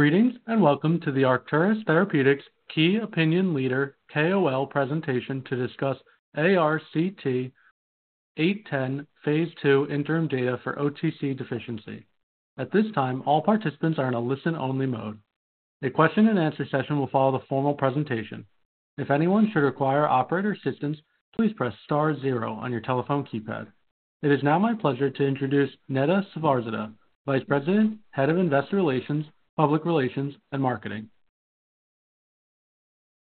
Greetings and welcome to the Arcturus Therapeutics Key Opinion Leader KOL presentation to discuss ARCT-810 phase II interim data for OTC deficiency. At this time, all participants are in a listen-only mode. A question-and-answer session will follow the formal presentation. If anyone should require operator assistance, please press star zero on your telephone keypad. It is now my pleasure to introduce Neda Safarzadeh, Vice President, Head of Investor Relations, Public Relations, and Marketing.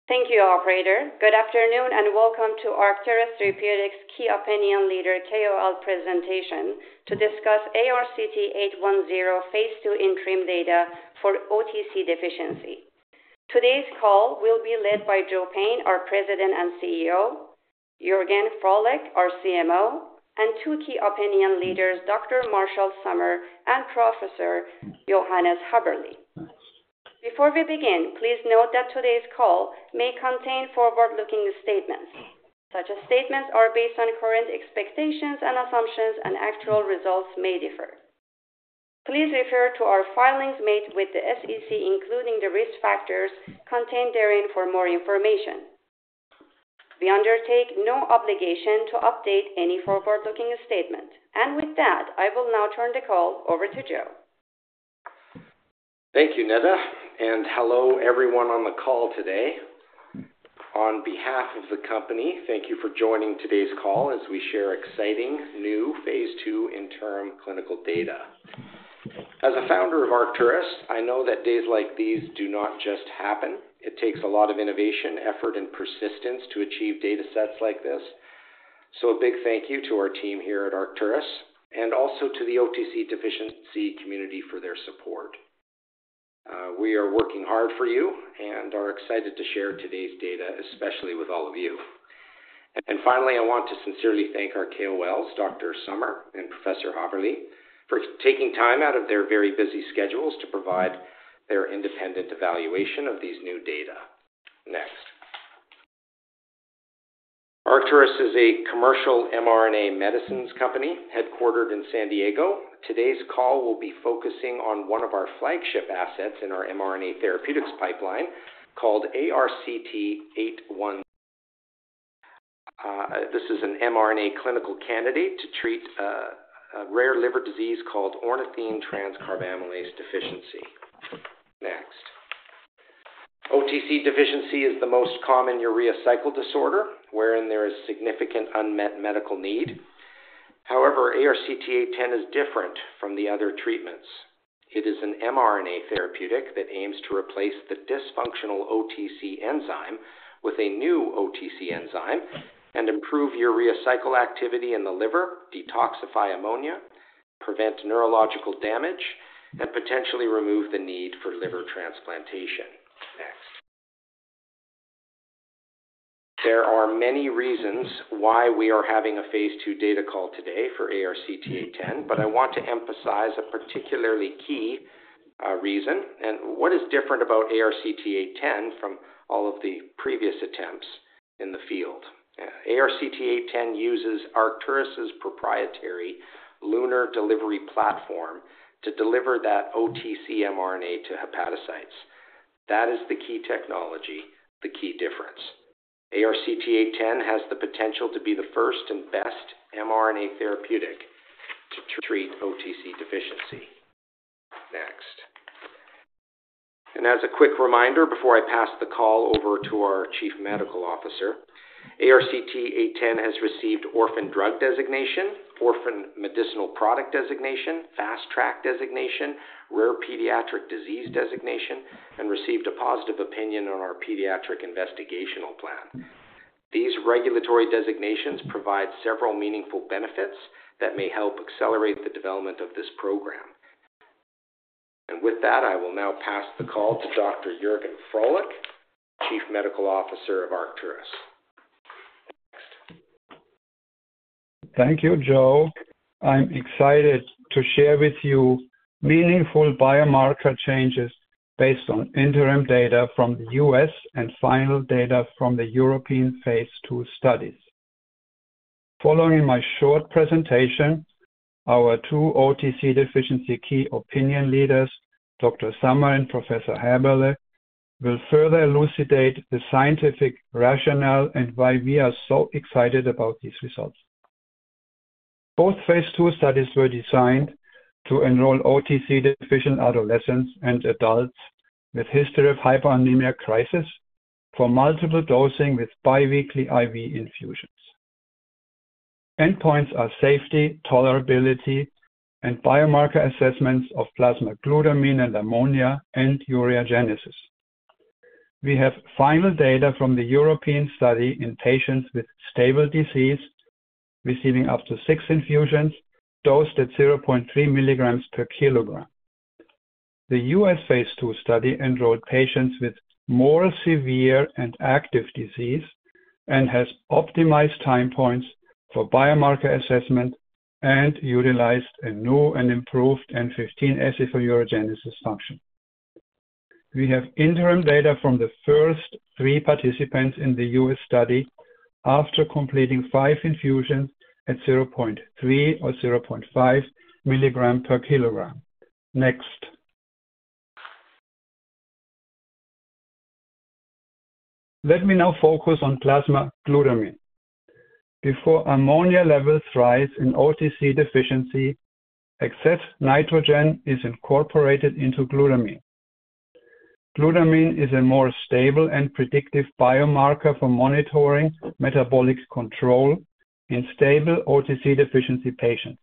Thank you, Operator. Good afternoon and welcome to Arcturus Therapeutics Key Opinion Leader KOL presentation to discuss ARCT-810 phase II interim data for OTC deficiency. Today's call will be led by Joe Payne, our President and CEO, Jørgen Frolik, our CMO, and two key opinion leaders, Dr. Marshall Sommer and Professor Johannes Häberle. Before we begin, please note that today's call may contain forward-looking statements. Such statements are based on current expectations and assumptions, and actual results may differ. Please refer to our filings made with the SEC, including the risk factors contained therein, for more information. We undertake no obligation to update any forward-looking statement. With that, I will now turn the call over to Joe. Thank you, Neda. And hello, everyone on the call today. On behalf of the company, thank you for joining today's call as we share exciting new phase II interim clinical data. As a founder of Arcturus, I know that days like these do not just happen. It takes a lot of innovation, effort, and persistence to achieve data sets like this. So a big thank you to our team here at Arcturus and also to the OTC deficiency community for their support. We are working hard for you and are excited to share today's data, especially with all of you. And finally, I want to sincerely thank our KOLs, Dr. Sommer and Professor Häberle, for taking time out of their very busy schedules to provide their independent evaluation of these new data. Next. Arcturus is a commercial mRNA medicines company headquartered in San Diego. Today's call will be focusing on one of our flagship assets in our mRNA therapeutics pipeline called ARCT-810. This is an mRNA clinical candidate to treat a rare liver disease called ornithine transcarbamylase deficiency. Next. OTC deficiency is the most common urea cycle disorder wherein there is significant unmet medical need. However, ARCT-810 is different from the other treatments. It is an mRNA therapeutic that aims to replace the dysfunctional OTC enzyme with a new OTC enzyme and improve urea cycle activity in the liver, detoxify ammonia, prevent neurological damage, and potentially remove the need for liver transplantation. Next. There are many reasons why we are having a phase II data call today for ARCT-810, but I want to emphasize a particularly key reason and what is different about ARCT-810 from all of the previous attempts in the field. ARCT-810 uses Arcturus' proprietary LUNAR delivery platform to deliver that OTC mRNA to hepatocytes. That is the key technology, the key difference. ARCT-810 has the potential to be the first and best mRNA therapeutic to treat OTC deficiency. Next. As a quick reminder before I pass the call over to our Chief Medical Officer, ARCT-810 has received Orphan Drug Designation, Orphan Medicinal Product Designation, Fast Track Designation, Rare Pediatric Disease Designation, and received a positive opinion on our Pediatric Investigational Plan. These regulatory designations provide several meaningful benefits that may help accelerate the development of this program. With that, I will now pass the call to Dr. Jørgen Frolik, Chief Medical Officer of Arcturus. Next. Thank you, Joe. I'm excited to share with you meaningful biomarker changes based on interim data from the U.S. and final data from the European phase II studies. Following my short presentation, our two OTC deficiency key opinion leaders, Dr. Sommer and Professor Häberle, will further elucidate the scientific rationale and why we are so excited about these results. Both phase II studies were designed to enroll OTC deficient adolescents and adults with a history of hyperammonemia crisis for multiple dosing with biweekly IV infusions. Endpoints are safety, tolerability, and biomarker assessments of plasma glutamine and ammonia and ureogenesis. We have final data from the European study in patients with stable disease receiving up to six infusions, dosed at 0.3 milligrams per kilogram. The U.S. phase II study enrolled patients with more severe and active disease and has optimized time points for biomarker assessment and utilized a new and improved 15N acid for ureogenesis function. We have interim data from the first three participants in the US study after completing five infusions at 0.3 or 0.5 milligram per kilogram. Next. Let me now focus on plasma glutamine. Before ammonia levels rise in OTC deficiency, excess nitrogen is incorporated into glutamine. Glutamine is a more stable and predictive biomarker for monitoring metabolic control in stable OTC deficiency patients.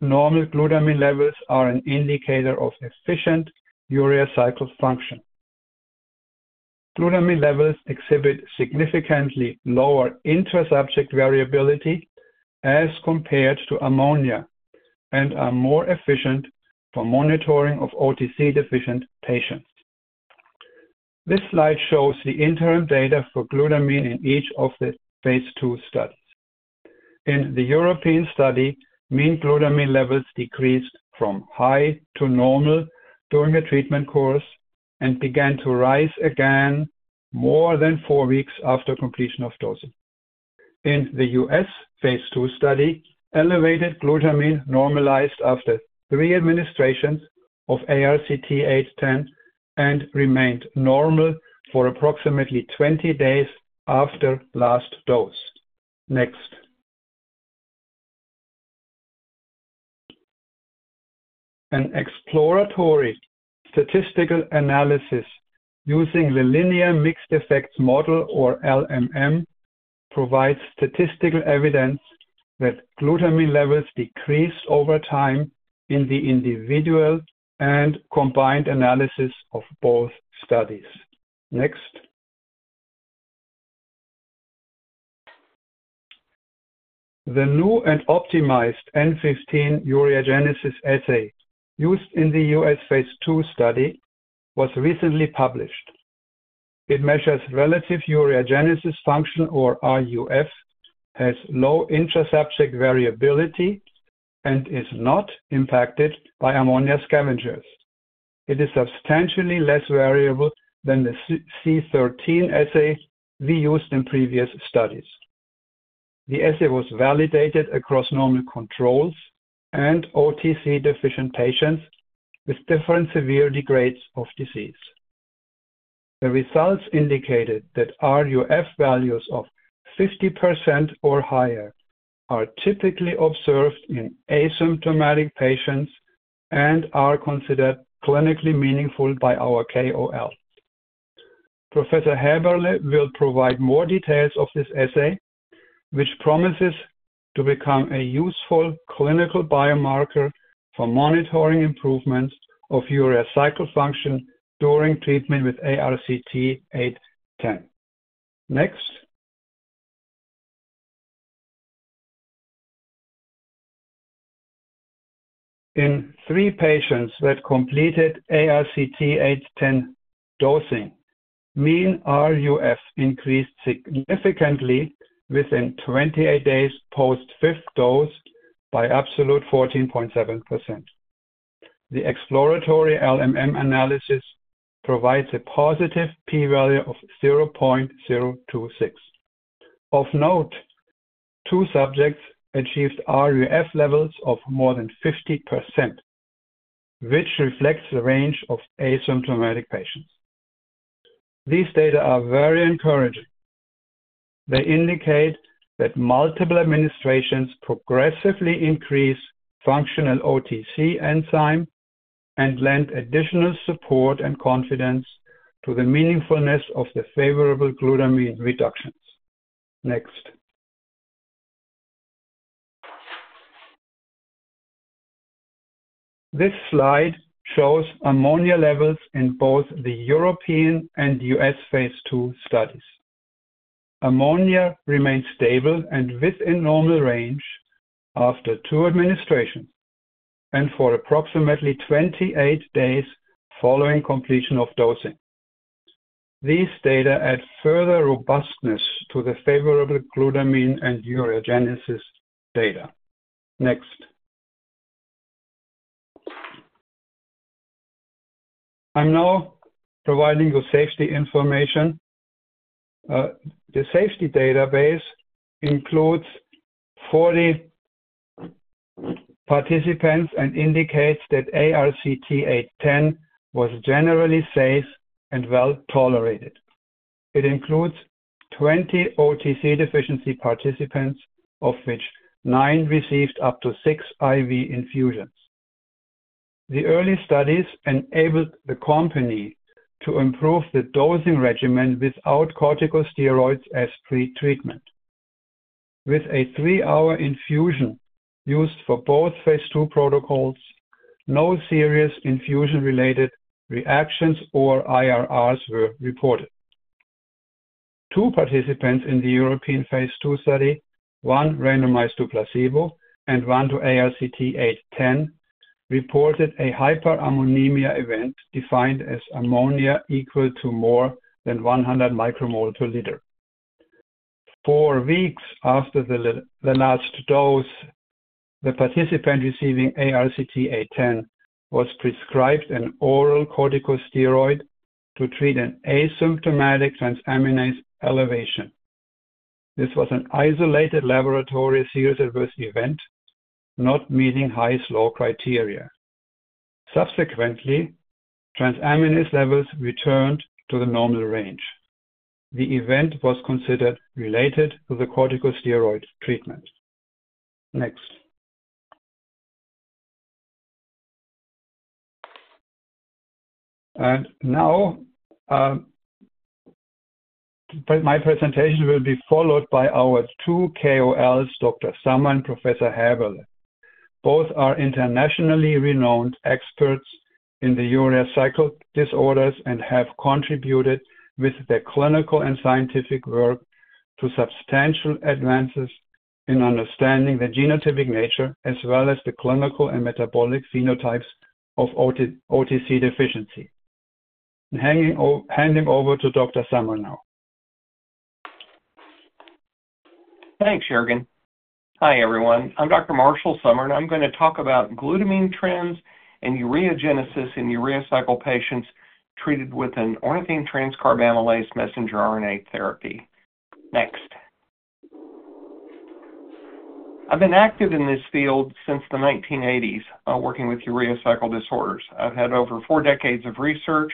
Normal glutamine levels are an indicator of efficient urea cycle function. Glutamine levels exhibit significantly lower intra-subject variability as compared to ammonia and are more efficient for monitoring of OTC deficient patients. This slide shows the interim data for glutamine in each of the phase II studies. In the European study, mean glutamine levels decreased from high to normal during a treatment course and began to rise again more than four weeks after completion of dosing. In the U.S. phase II study, elevated glutamine normalized after three administrations of ARCT-810 and remained normal for approximately 20 days after last dose. Next. An exploratory statistical analysis using the linear mixed effects model, or LMM, provides statistical evidence that glutamine levels decreased over time in the individual and combined analysis of both studies. Next. The new and optimized 15N-ureagenesis assay used in the U.S. phase II study was recently published. It measures relative ureogenesis function, or RUF, has low intra-subject variability, and is not impacted by ammonia scavengers. It is substantially less variable than the C13 assay we used in previous studies. The assay was validated across normal controls and OTC deficient patients with different severity grades of disease. The results indicated that RUF values of 50% or higher are typically observed in asymptomatic patients and are considered clinically meaningful by our KOL. Professor Häberle will provide more details of this assay, which promises to become a useful clinical biomarker for monitoring improvements of urea cycle function during treatment with ARCT-810. Next. In three patients that completed ARCT-810 dosing, mean RUF increased significantly within 28 days post fifth dose by absolute 14.7%. The exploratory LMM analysis provides a positive p-value of 0.026. Of note, two subjects achieved RUF levels of more than 50%, which reflects the range of asymptomatic patients. These data are very encouraging. They indicate that multiple administrations progressively increase functional OTC enzyme and lend additional support and confidence to the meaningfulness of the favorable glutamine reductions. Next. This slide shows ammonia levels in both the European and U.S. phase II studies. Ammonia remained stable and within normal range after two administrations and for approximately 28 days following completion of dosing. These data add further robustness to the favorable glutamine and ureogenesis data. Next. I'm now providing the safety information. The safety database includes 40 participants and indicates that ARCT-810 was generally safe and well tolerated. It includes 20 OTC deficiency participants, of which nine received up to six IV infusions. The early studies enabled the company to improve the dosing regimen without corticosteroids as pretreatment. With a three-hour infusion used for both phase II protocols, no serious infusion-related reactions or IRRs were reported. Two participants in the European phase II study, one randomized to placebo and one to ARCT-810, reported a hyperammonemia event defined as ammonia equal to more than 100 micromole per liter. Four weeks after the last dose, the participant receiving ARCT-810 was prescribed an oral corticosteroid to treat an asymptomatic transaminase elevation. This was an isolated laboratory serious adverse event, not meeting high-slow criteria. Subsequently, transaminase levels returned to the normal range. The event was considered related to the corticosteroid treatment. Next. My presentation will be followed by our two KOLs, Dr. Sommer and Professor Häberle. Both are internationally renowned experts in the urea cycle disorders and have contributed with their clinical and scientific work to substantial advances in understanding the genotypic nature as well as the clinical and metabolic phenotypes of OTC deficiency. I'm handing over to Dr. Sommer now. Thanks, Jørgen. Hi, everyone. I'm Dr. Marshall Sommer, and I'm going to talk about glutamine trends in ureogenesis in urea cycle patients treated with an ornithine transcarbamylase messenger RNA therapy. Next. I've been active in this field since the 1980s, working with urea cycle disorders. I've had over four decades of research,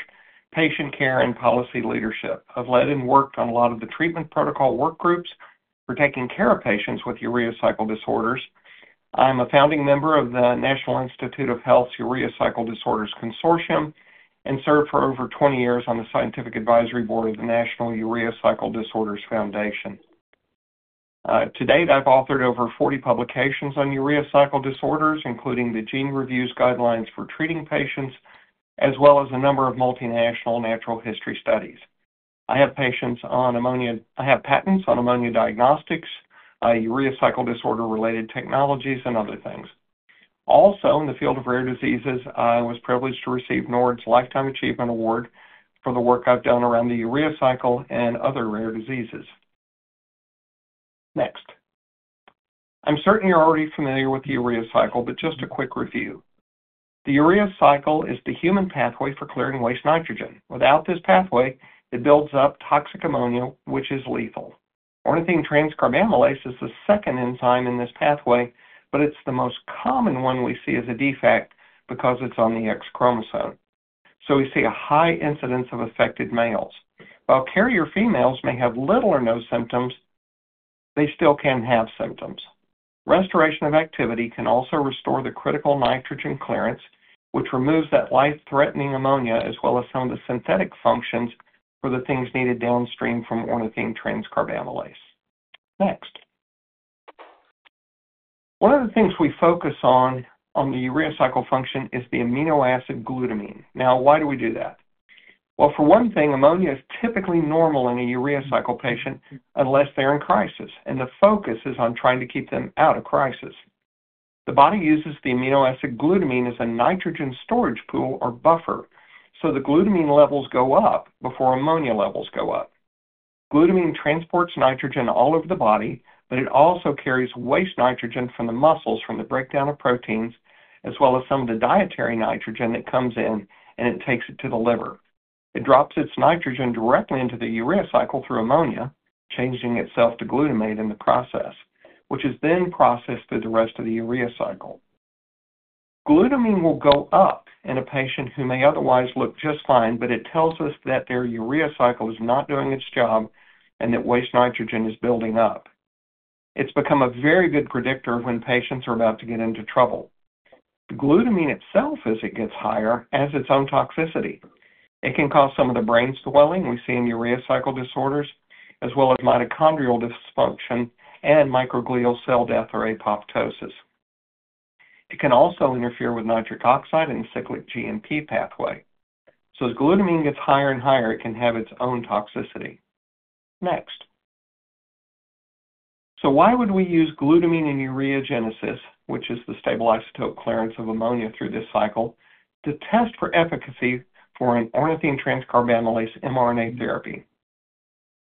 patient care, and policy leadership. I've led and worked on a lot of the treatment protocol workgroups for taking care of patients with urea cycle disorders. I'm a founding member of the National Institutes of Health's Urea Cycle Disorders Consortium and served for over 20 years on the scientific advisory board of the National Urea Cycle Disorders Foundation. To date, I've authored over 40 publications on urea cycle disorders, including the Gene Reviews Guidelines for Treating Patients, as well as a number of multinational natural history studies. I have patents on ammonia diagnostics, urea cycle disorder-related technologies, and other things. Also, in the field of rare diseases, I was privileged to receive NORD's Lifetime Achievement Award for the work I've done around the urea cycle and other rare diseases. Next. I'm certain you're already familiar with the urea cycle, but just a quick review. The urea cycle is the human pathway for clearing waste nitrogen. Without this pathway, it builds up toxic ammonia, which is lethal. Ornithine transcarbamylase is the second enzyme in this pathway, but it's the most common one we see as a defect because it's on the X chromosome. We see a high incidence of affected males. While carrier females may have little or no symptoms, they still can have symptoms. Restoration of activity can also restore the critical nitrogen clearance, which removes that life-threatening ammonia as well as some of the synthetic functions for the things needed downstream from ornithine transcarbamylase. Next. One of the things we focus on on the urea cycle function is the amino acid glutamine. Now, why do we do that? For one thing, ammonia is typically normal in a urea cycle patient unless they're in crisis, and the focus is on trying to keep them out of crisis. The body uses the amino acid glutamine as a nitrogen storage pool or buffer, so the glutamine levels go up before ammonia levels go up. Glutamine transports nitrogen all over the body, but it also carries waste nitrogen from the muscles from the breakdown of proteins, as well as some of the dietary nitrogen that comes in, and it takes it to the liver. It drops its nitrogen directly into the urea cycle through ammonia, changing itself to glutamate in the process, which is then processed through the rest of the urea cycle. Glutamine will go up in a patient who may otherwise look just fine, but it tells us that their urea cycle is not doing its job and that waste nitrogen is building up. It has become a very good predictor when patients are about to get into trouble. Glutamine itself, as it gets higher, has its own toxicity. It can cause some of the brain swelling we see in urea cycle disorders, as well as mitochondrial dysfunction and microglial cell death or apoptosis. It can also interfere with nitric oxide and the cyclic GMP pathway. As glutamine gets higher and higher, it can have its own toxicity. Next. Why would we use glutamine in ureogenesis, which is the stable isotope clearance of ammonia through this cycle, to test for efficacy for an ornithine transcarbamylase mRNA therapy?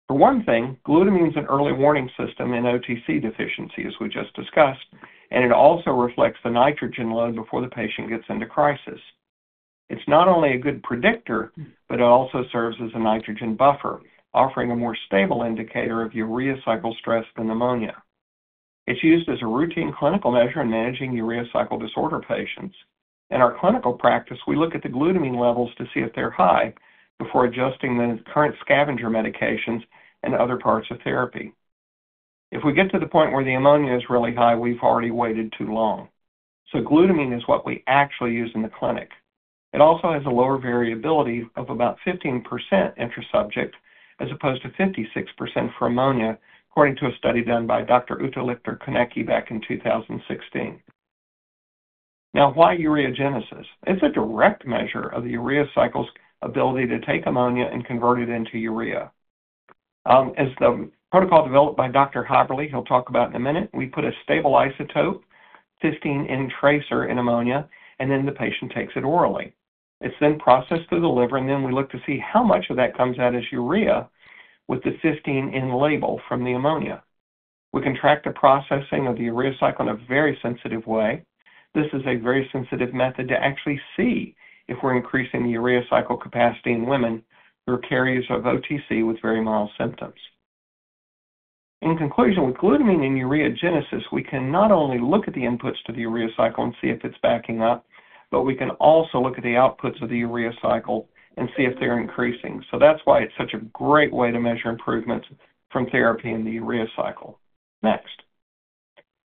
For one thing, glutamine is an early warning system in OTC deficiency, as we just discussed, and it also reflects the nitrogen load before the patient gets into crisis. It's not only a good predictor, but it also serves as a nitrogen buffer, offering a more stable indicator of urea cycle stress than ammonia. It's used as a routine clinical measure in managing urea cycle disorder patients. In our clinical practice, we look at the glutamine levels to see if they're high before adjusting the current scavenger medications and other parts of therapy. If we get to the point where the ammonia is really high, we've already waited too long. Glutamine is what we actually use in the clinic. It also has a lower variability of about 15% intra-subject as opposed to 56% for ammonia, according to a study done by Dr. Uttalither Konecki back in 2016. Now, why ureogenesis? It's a direct measure of the urea cycle's ability to take ammonia and convert it into urea. As the protocol developed by Dr. Häberle, he'll talk about in a minute, we put a stable isotope, 15N tracer in ammonia, and then the patient takes it orally. It's then processed through the liver, and then we look to see how much of that comes out as urea with the 15N label from the ammonia. We can track the processing of the urea cycle in a very sensitive way. This is a very sensitive method to actually see if we're increasing the urea cycle capacity in women who are carriers of OTC with very mild symptoms. In conclusion, with glutamine in ureogenesis, we can not only look at the inputs to the urea cycle and see if it's backing up, but we can also look at the outputs of the urea cycle and see if they're increasing. That is why it's such a great way to measure improvements from therapy in the urea cycle. Next.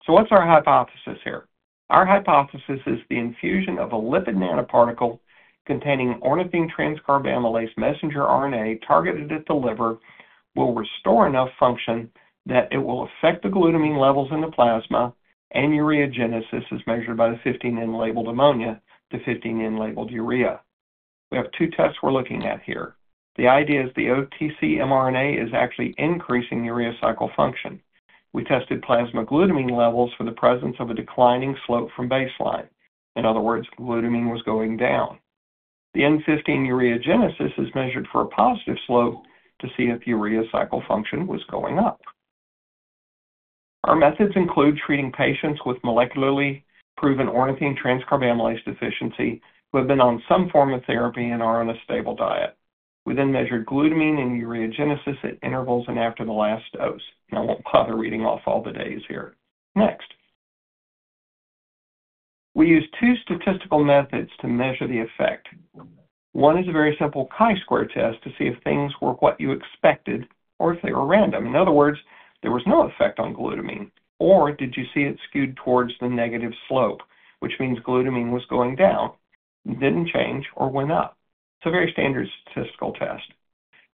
What's our hypothesis here? Our hypothesis is the infusion of a lipid nanoparticle containing ornithine transcarbamylase messenger RNA targeted at the liver will restore enough function that it will affect the glutamine levels in the plasma, and ureogenesis is measured by the 15N labeled ammonia to 15N labeled urea. We have two tests we're looking at here. The idea is the OTC mRNA is actually increasing urea cycle function. We tested plasma glutamine levels for the presence of a declining slope from baseline. In other words, glutamine was going down. The 15N ureogenesis is measured for a positive slope to see if urea cycle function was going up. Our methods include treating patients with molecularly proven ornithine transcarbamylase deficiency who have been on some form of therapy and are on a stable diet. We then measured glutamine and ureogenesis at intervals and after the last dose. I will not bother reading off all the days here. Next. We use two statistical methods to measure the effect. One is a very simple chi-square test to see if things were what you expected or if they were random. In other words, there was no effect on glutamine, or did you see it skewed towards the negative slope, which means glutamine was going down, did not change, or went up. It is a very standard statistical test.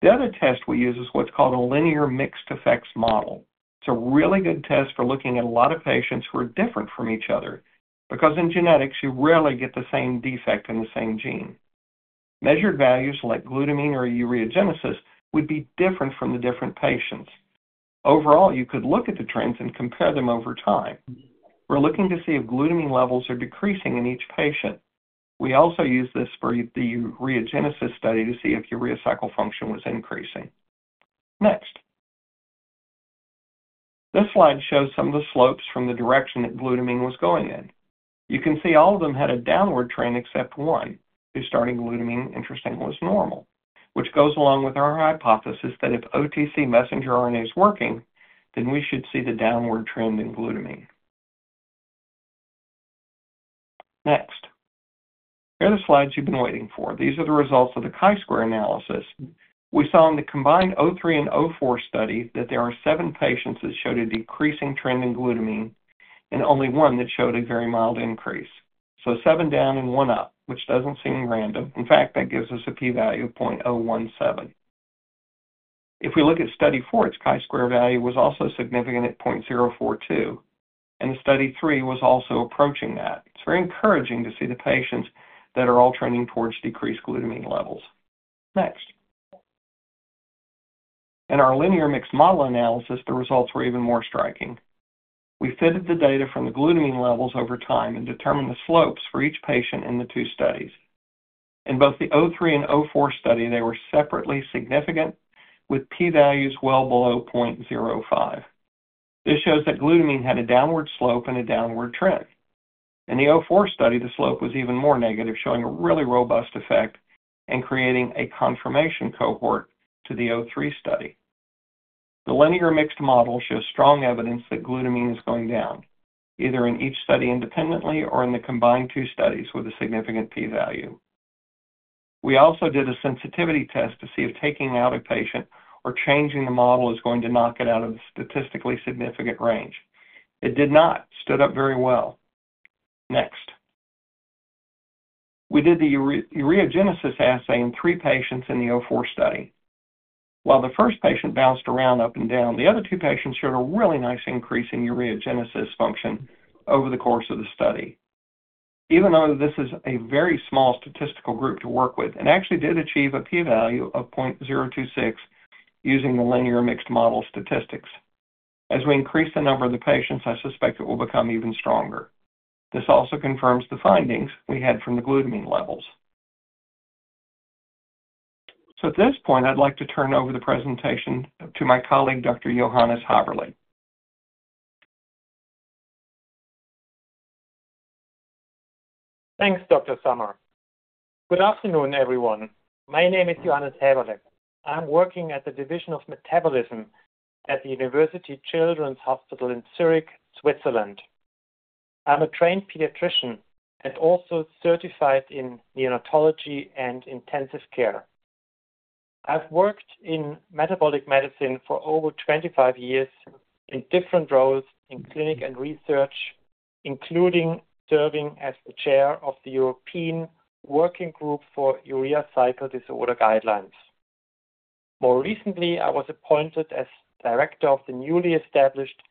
The other test we use is what is called a linear mixed effects model. It's a really good test for looking at a lot of patients who are different from each other because in genetics, you rarely get the same defect in the same gene. Measured values like glutamine or ureogenesis would be different from the different patients. Overall, you could look at the trends and compare them over time. We're looking to see if glutamine levels are decreasing in each patient. We also use this for the ureogenesis study to see if urea cycle function was increasing. Next. This slide shows some of the slopes from the direction that glutamine was going in. You can see all of them had a downward trend except one, whose starting glutamine, interestingly, was normal, which goes along with our hypothesis that if OTC messenger RNA is working, then we should see the downward trend in glutamine. Next. Here are the slides you've been waiting for. These are the results of the chi-square analysis. We saw in the combined O3 and O4 study that there are seven patients that showed a decreasing trend in glutamine and only one that showed a very mild increase. So seven down and one up, which does not seem random. In fact, that gives us a p-value of 0.017. If we look at study four, its chi-square value was also significant at 0.042, and the study three was also approaching that. It is very encouraging to see the patients that are all trending towards decreased glutamine levels. Next. In our linear mixed model analysis, the results were even more striking. We fitted the data from the glutamine levels over time and determined the slopes for each patient in the two studies. In both the O3 and O4 study, they were separately significant with p-values well below 0.05. This shows that glutamine had a downward slope and a downward trend. In the O4 study, the slope was even more negative, showing a really robust effect and creating a confirmation cohort to the O3 study. The linear mixed model shows strong evidence that glutamine is going down, either in each study independently or in the combined two studies with a significant p-value. We also did a sensitivity test to see if taking out a patient or changing the model is going to knock it out of the statistically significant range. It did not, stood up very well. Next. We did the ureogenesis assay in three patients in the O4 study. While the first patient bounced around up and down, the other two patients showed a really nice increase in ureogenesis function over the course of the study. Even though this is a very small statistical group to work with, it actually did achieve a p-value of 0.026 using the linear mixed model statistics. As we increase the number of the patients, I suspect it will become even stronger. This also confirms the findings we had from the glutamine levels. At this point, I'd like to turn over the presentation to my colleague, Dr. Johannes Häberle. Thanks, Dr. Sommer. Good afternoon, everyone. My name is Johannes Häberle. I'm working at the Division of Metabolism at the University Children's Hospital in Zurich, Switzerland. I'm a trained pediatrician and also certified in neonatology and intensive care. I've worked in metabolic medicine for over 25 years in different roles in clinic and research, including serving as the chair of the European Working Group for Urea Cycle Disorder Guidelines. More recently, I was appointed as director of the newly established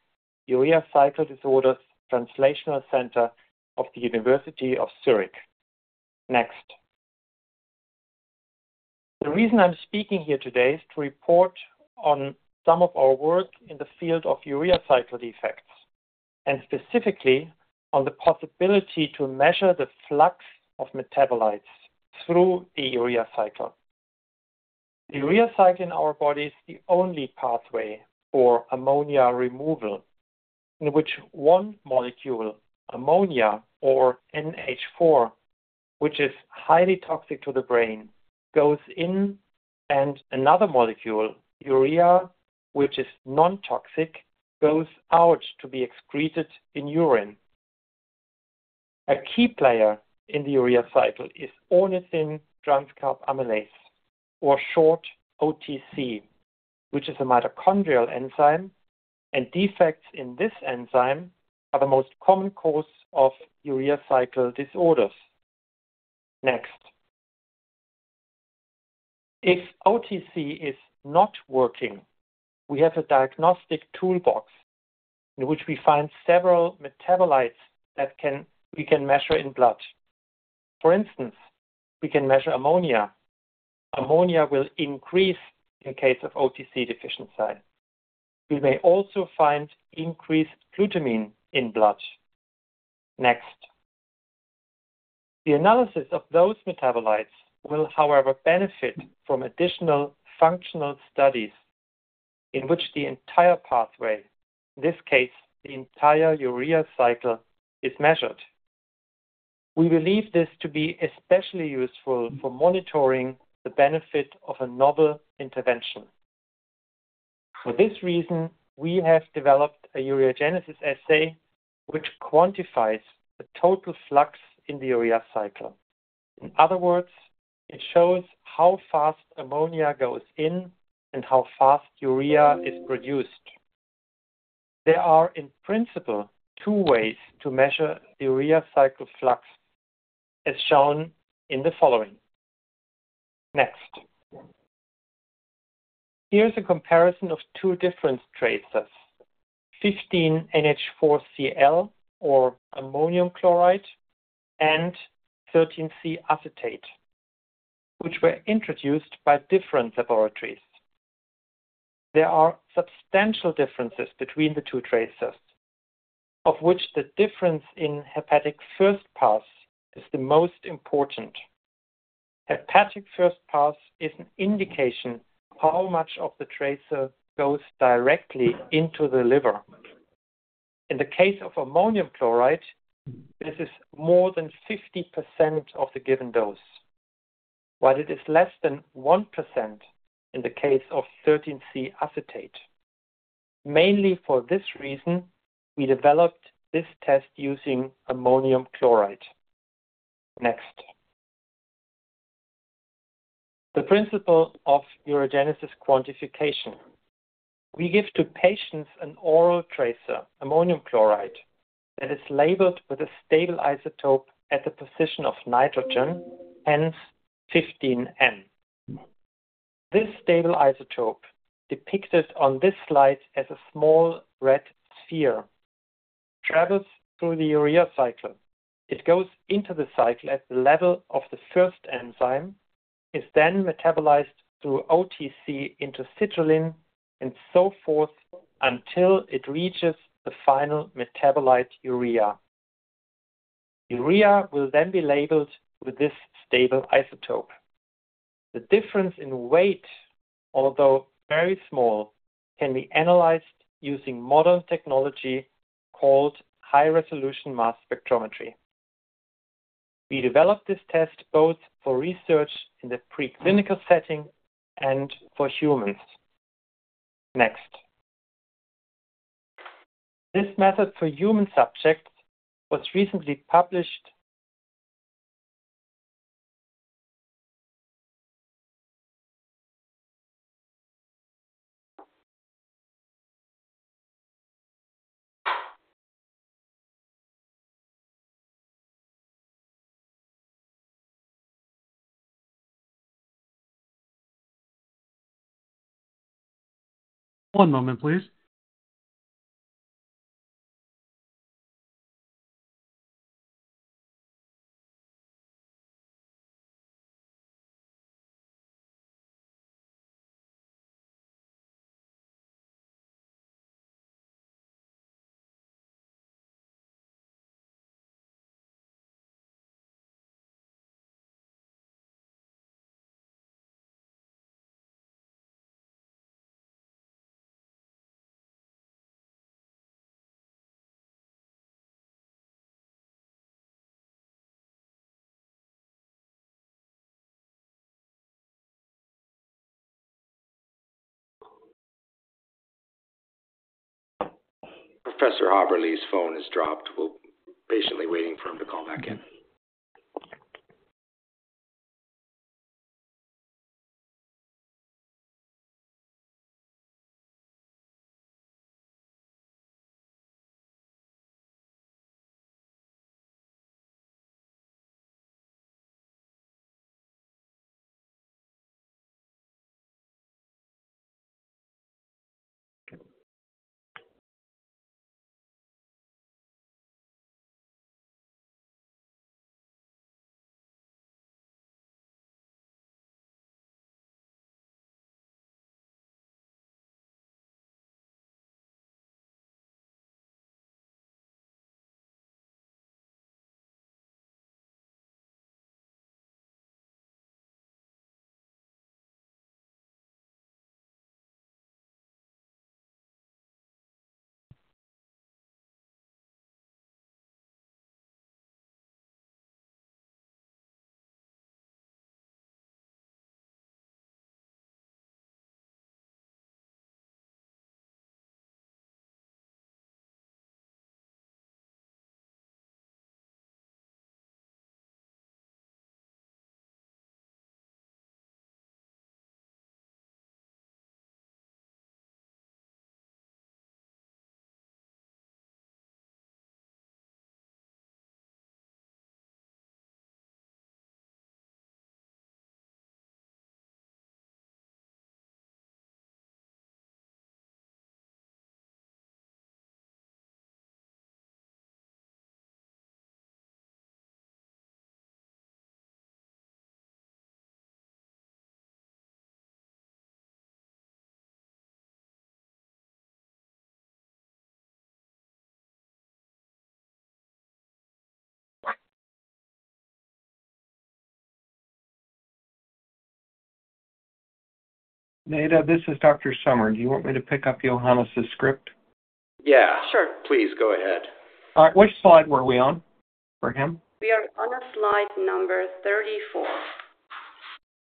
Urea Cycle Disorders Translational Center of the University of Zurich. Next. The reason I'm speaking here today is to report on some of our work in the field of urea cycle defects and specifically on the possibility to measure the flux of metabolites through the urea cycle. Urea cycle in our body is the only pathway for ammonia removal in which one molecule, ammonia or NH4, which is highly toxic to the brain, goes in and another molecule, urea, which is non-toxic, goes out to be excreted in urine. A key player in the urea cycle is ornithine transcarbamylase, or short OTC, which is a mitochondrial enzyme, and defects in this enzyme are the most common cause of urea cycle disorders. Next. If OTC is not working, we have a diagnostic toolbox in which we find several metabolites that we can measure in blood. For instance, we can measure ammonia. Ammonia will increase in case of OTC deficient site. We may also find increased glutamine in blood. Next. The analysis of those metabolites will, however, benefit from additional functional studies in which the entire pathway, in this case, the entire urea cycle, is measured. We believe this to be especially useful for monitoring the benefit of a novel intervention. For this reason, we have developed a ureogenesis assay which quantifies the total flux in the urea cycle. In other words, it shows how fast ammonia goes in and how fast urea is produced. There are, in principle, two ways to measure the urea cycle flux, as shown in the following. Next. Here is a comparison of two different tracers, 15NH4Cl, or ammonium chloride, and 13C acetate, which were introduced by different laboratories. There are substantial differences between the two tracers, of which the difference in hepatic first pass is the most important. Hepatic first pass is an indication of how much of the tracer goes directly into the liver. In the case of ammonium chloride, this is more than 50% of the given dose, while it is less than 1% in the case of 13C acetate. Mainly for this reason, we developed this test using ammonium chloride. Next. The principle of ureogenesis quantification. We give to patients an oral tracer, ammonium chloride, that is labeled with a stable isotope at the position of nitrogen, hence 15N. This stable isotope, depicted on this slide as a small red sphere, travels through the urea cycle. It goes into the cycle at the level of the first enzyme, is then metabolized through OTC into citrulline, and so forth until it reaches the final metabolite urea. Urea will then be labeled with this stable isotope. The difference in weight, although very small, can be analyzed using modern technology called high-resolution mass spectrometry. We developed this test both for research in the preclinical setting and for humans. Next. This method for human subjects was recently published. One moment, please. Professor Häberle's phone has dropped. We're patiently waiting for him to call back in. Neda, this is Dr. Sommer. Do you want me to pick up Johannes' script? Yeah, sure. Please go ahead. All right. Which slide were we on for him? We are on slide number 34.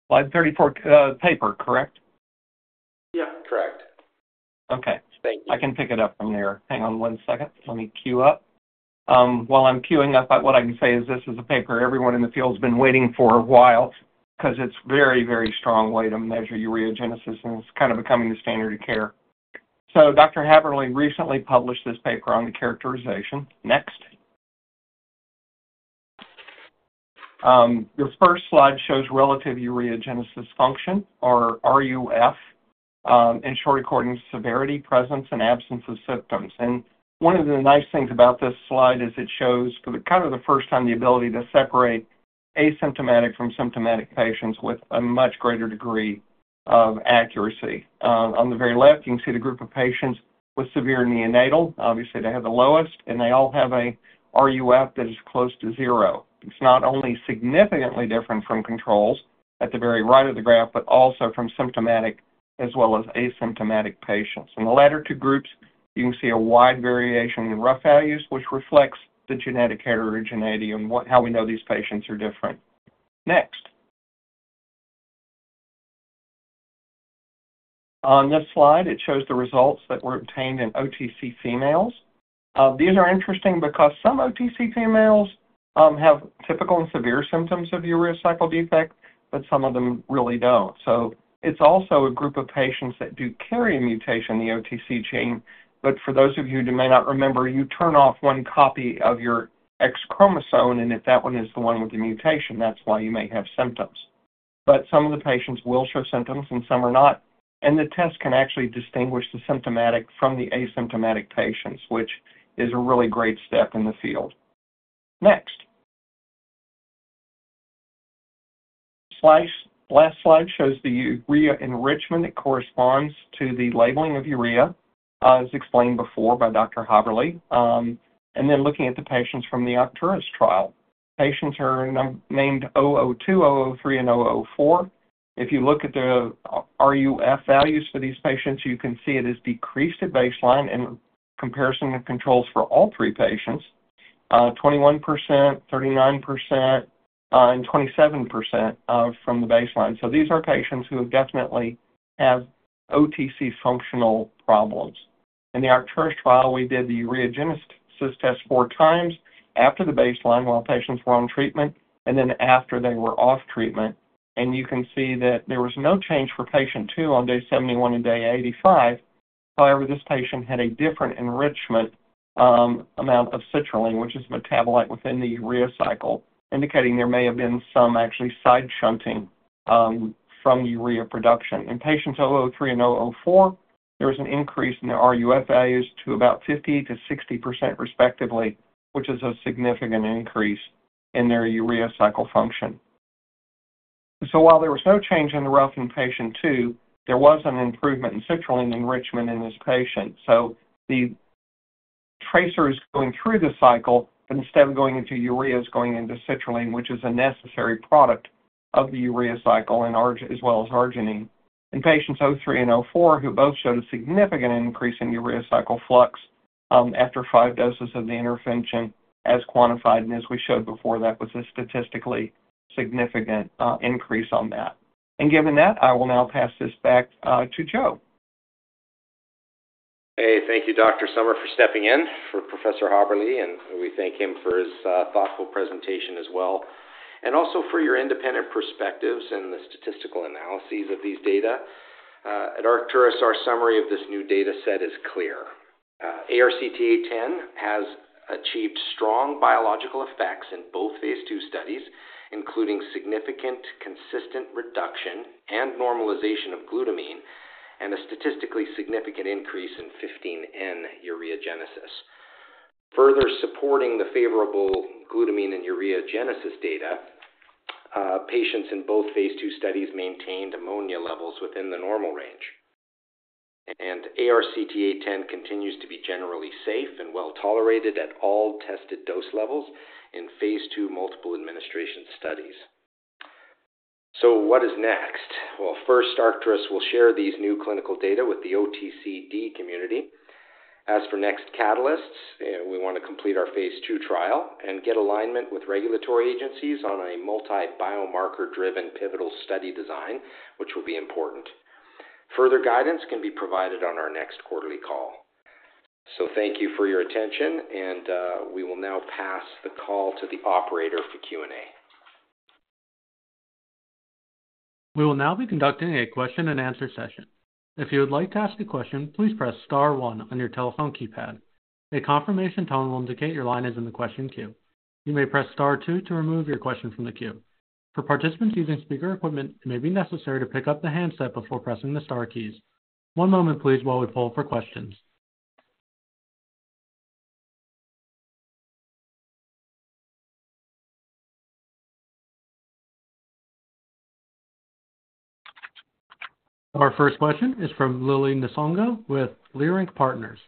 Slide 34, paper, correct? Yeah, correct. Okay. I can pick it up from there. Hang on one second. Let me queue up. While I'm queuing up, what I can say is this is a paper everyone in the field has been waiting for a while because it's a very, very strong way to measure ureogenesis, and it's kind of becoming the standard of care. Dr. Häberle recently published this paper on the characterization. Next. This first slide shows relative ureogenesis function, or RUF, in short accordance severity, presence, and absence of symptoms. One of the nice things about this slide is it shows, for kind of the first time, the ability to separate asymptomatic from symptomatic patients with a much greater degree of accuracy. On the very left, you can see the group of patients with severe neonatal, obviously they have the lowest, and they all have an RUF that is close to zero. It's not only significantly different from controls at the very right of the graph, but also from symptomatic as well as asymptomatic patients. In the latter two groups, you can see a wide variation in RUF values, which reflects the genetic heterogeneity and how we know these patients are different. Next. On this slide, it shows the results that were obtained in OTC females. These are interesting because some OTC females have typical and severe symptoms of urea cycle defect, but some of them really don't. It is also a group of patients that do carry a mutation in the OTC gene, but for those of you who may not remember, you turn off one copy of your X chromosome, and if that one is the one with the mutation, that's why you may have symptoms. Some of the patients will show symptoms, and some are not, and the test can actually distinguish the symptomatic from the asymptomatic patients, which is a really great step in the field. Next. Last slide shows the urea enrichment that corresponds to the labeling of urea, as explained before by Dr. Häberle, and then looking at the patients from the Arcturus trial. Patients are named 002, 003, and 004. If you look at the RUF values for these patients, you can see it is decreased at baseline in comparison to controls for all three patients, 21%, 39%, and 27% from the baseline. These are patients who definitely have OTC functional problems. In the Arcturus trial, we did the ureogenesis test four times after the baseline while patients were on treatment, and then after they were off treatment, and you can see that there was no change for patient two on day 71 and day 85. However, this patient had a different enrichment amount of citrulline, which is a metabolite within the urea cycle, indicating there may have been some actually side shunting from urea production. In patients 003 and 004, there was an increase in the RUF values to about 50%-60% respectively, which is a significant increase in their urea cycle function. While there was no change in the RUF in patient two, there was an improvement in citrulline enrichment in this patient. The tracer is going through the cycle, but instead of going into urea, it is going into citrulline, which is a necessary product of the urea cycle as well as arginine. In patients 03 and 04, who both showed a significant increase in urea cycle flux after five doses of the intervention, as quantified, and as we showed before, that was a statistically significant increase on that. Given that, I will now pass this back to Joe. Hey, thank you, Dr. Sommer, for stepping in for Professor Häberle, and we thank him for his thoughtful presentation as well, and also for your independent perspectives and the statistical analyses of these data. At Arcturus, our summary of this new data set is clear. ARCT-810 has achieved strong biological effects in both these two studies, including significant consistent reduction and normalization of glutamine and a statistically significant increase in 15-N ureogenesis. Further supporting the favorable glutamine and ureogenesis data, patients in both phase II studies maintained ammonia levels within the normal range, and ARCT-810 continues to be generally safe and well tolerated at all tested dose levels in phase II multiple administration studies. What is next? First, Arcturus will share these new clinical data with the OTCD community. As for next catalysts, we want to complete our phase II trial and get alignment with regulatory agencies on a multi-biomarker-driven pivotal study design, which will be important. Further guidance can be provided on our next quarterly call. Thank you for your attention, and we will now pass the call to the operator for Q&A. We will now be conducting a question-and-answer session. If you would like to ask a question, please press star one on your telephone keypad. A confirmation tone will indicate your line is in the question queue. You may press star two to remove your question from the queue. For participants using speaker equipment, it may be necessary to pick up the handset before pressing the star keys. One moment, please, while we pull for questions. Our first question is from Lili Nsongo with Lyrik Partners.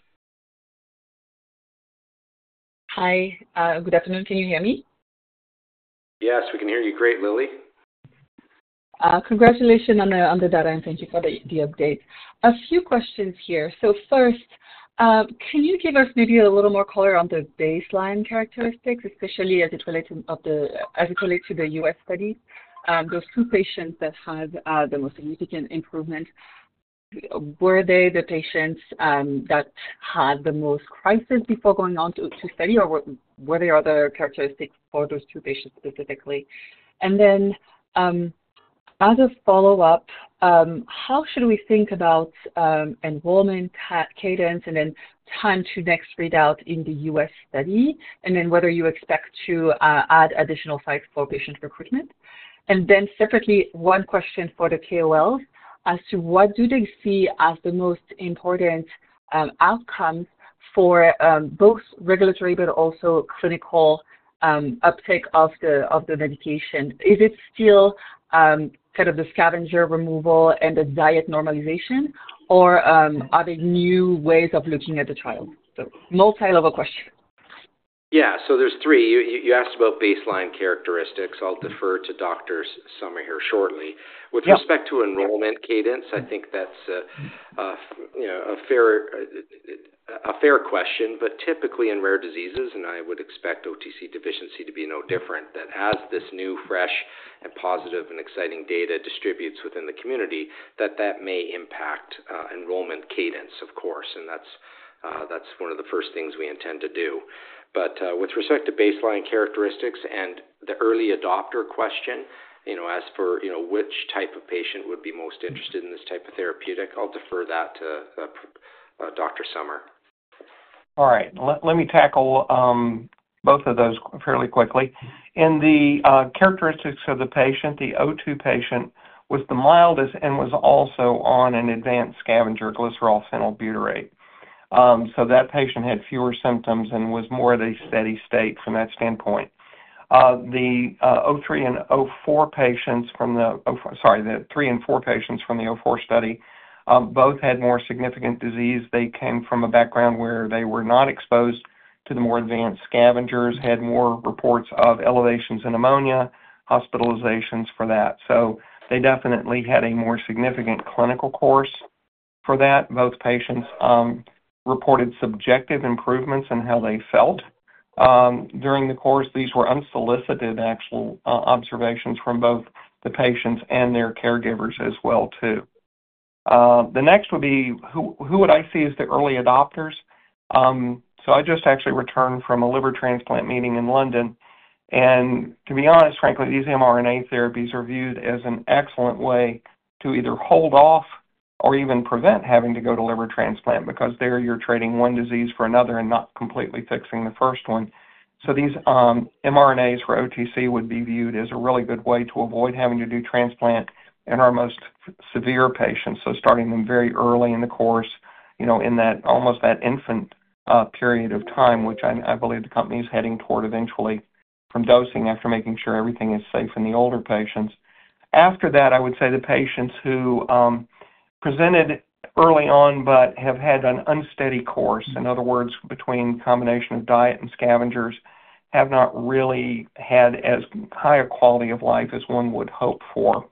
Hi. Good afternoon. Can you hear me? Yes, we can hear you great, Lily. Congratulations on the data, and thank you for the update. A few questions here. First, can you give us maybe a little more color on the baseline characteristics, especially as it relates to the U.S. study? Those two patients that had the most significant improvement, were they the patients that had the most crisis before going on to study, or were there other characteristics for those two patients specifically? As a follow-up, how should we think about enrollment cadence and then time to next readout in the U.S. study, and whether you expect to add additional sites for patient recruitment? Separately, one question for the KOLs as to what do they see as the most important outcomes for both regulatory but also clinical uptake of the medication? Is it still kind of the scavenger removal and the diet normalization, or are there new ways of looking at the trial? Multi-level question. Yeah, so there's three. You asked about baseline characteristics. I'll defer to Dr. Sommer here shortly. With respect to enrollment cadence, I think that's a fair question, but typically in rare diseases, and I would expect OTC deficiency to be no different, that as this new, fresh, and positive and exciting data distributes within the community, that that may impact enrollment cadence, of course, and that's one of the first things we intend to do. With respect to baseline characteristics and the early adopter question, as for which type of patient would be most interested in this type of therapeutic, I'll defer that to Dr. Sommer. All right. Let me tackle both of those fairly quickly. In the characteristics of the patient, the O2 patient was the mildest and was also on an advanced scavenger, glycerol phenylbutyrate. That patient had fewer symptoms and was more of a steady state from that standpoint. The O3 and O4 patients from the—sorry, the three and four patients from the O4 study—both had more significant disease. They came from a background where they were not exposed to the more advanced scavengers, had more reports of elevations in ammonia, hospitalizations for that. They definitely had a more significant clinical course for that. Both patients reported subjective improvements in how they felt during the course. These were unsolicited actual observations from both the patients and their caregivers as well, too. The next would be who would I see as the early adopters? I just actually returned from a liver transplant meeting in London, and to be honest, frankly, these mRNA therapies are viewed as an excellent way to either hold off or even prevent having to go to liver transplant because there you're trading one disease for another and not completely fixing the first one. These mRNAs for OTC would be viewed as a really good way to avoid having to do transplant in our most severe patients, so starting them very early in the course in that almost infant period of time, which I believe the company is heading toward eventually from dosing after making sure everything is safe in the older patients. After that, I would say the patients who presented early on but have had an unsteady course, in other words, between a combination of diet and scavengers, have not really had as high a quality of life as one would hope for.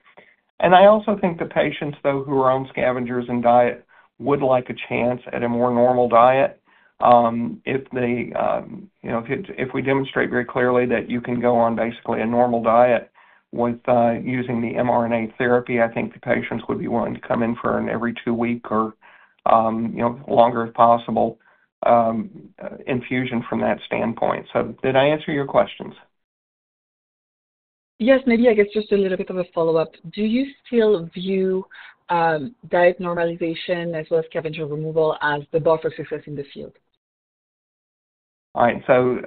I also think the patients, though, who are on scavengers and diet would like a chance at a more normal diet. If we demonstrate very clearly that you can go on basically a normal diet with using the mRNA therapy, I think the patients would be willing to come in for an every two-week or longer if possible infusion from that standpoint. Did I answer your questions? Yes, maybe, I guess just a little bit of a follow-up. Do you still view diet normalization as well as scavenger removal as the bar for success in the field? All right.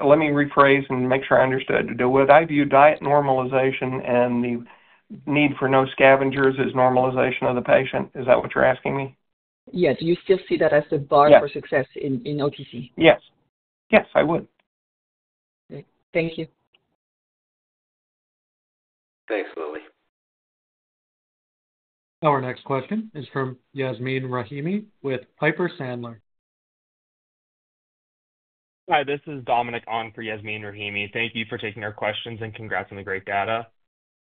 Let me rephrase and make sure I understood. Do I view diet normalization and the need for no scavengers as normalization of the patient? Is that what you're asking me? Yes. Do you still see that as the bar for success in OTC? Yes. Yes, I would. Great. Thank you. Thanks, Lily. Our next question is from Yasmeen Rahimi with Piper Sandler. Hi, this is Dominic Ong for Yasmeen Rahimi. Thank you for taking our questions and congrats on the great data.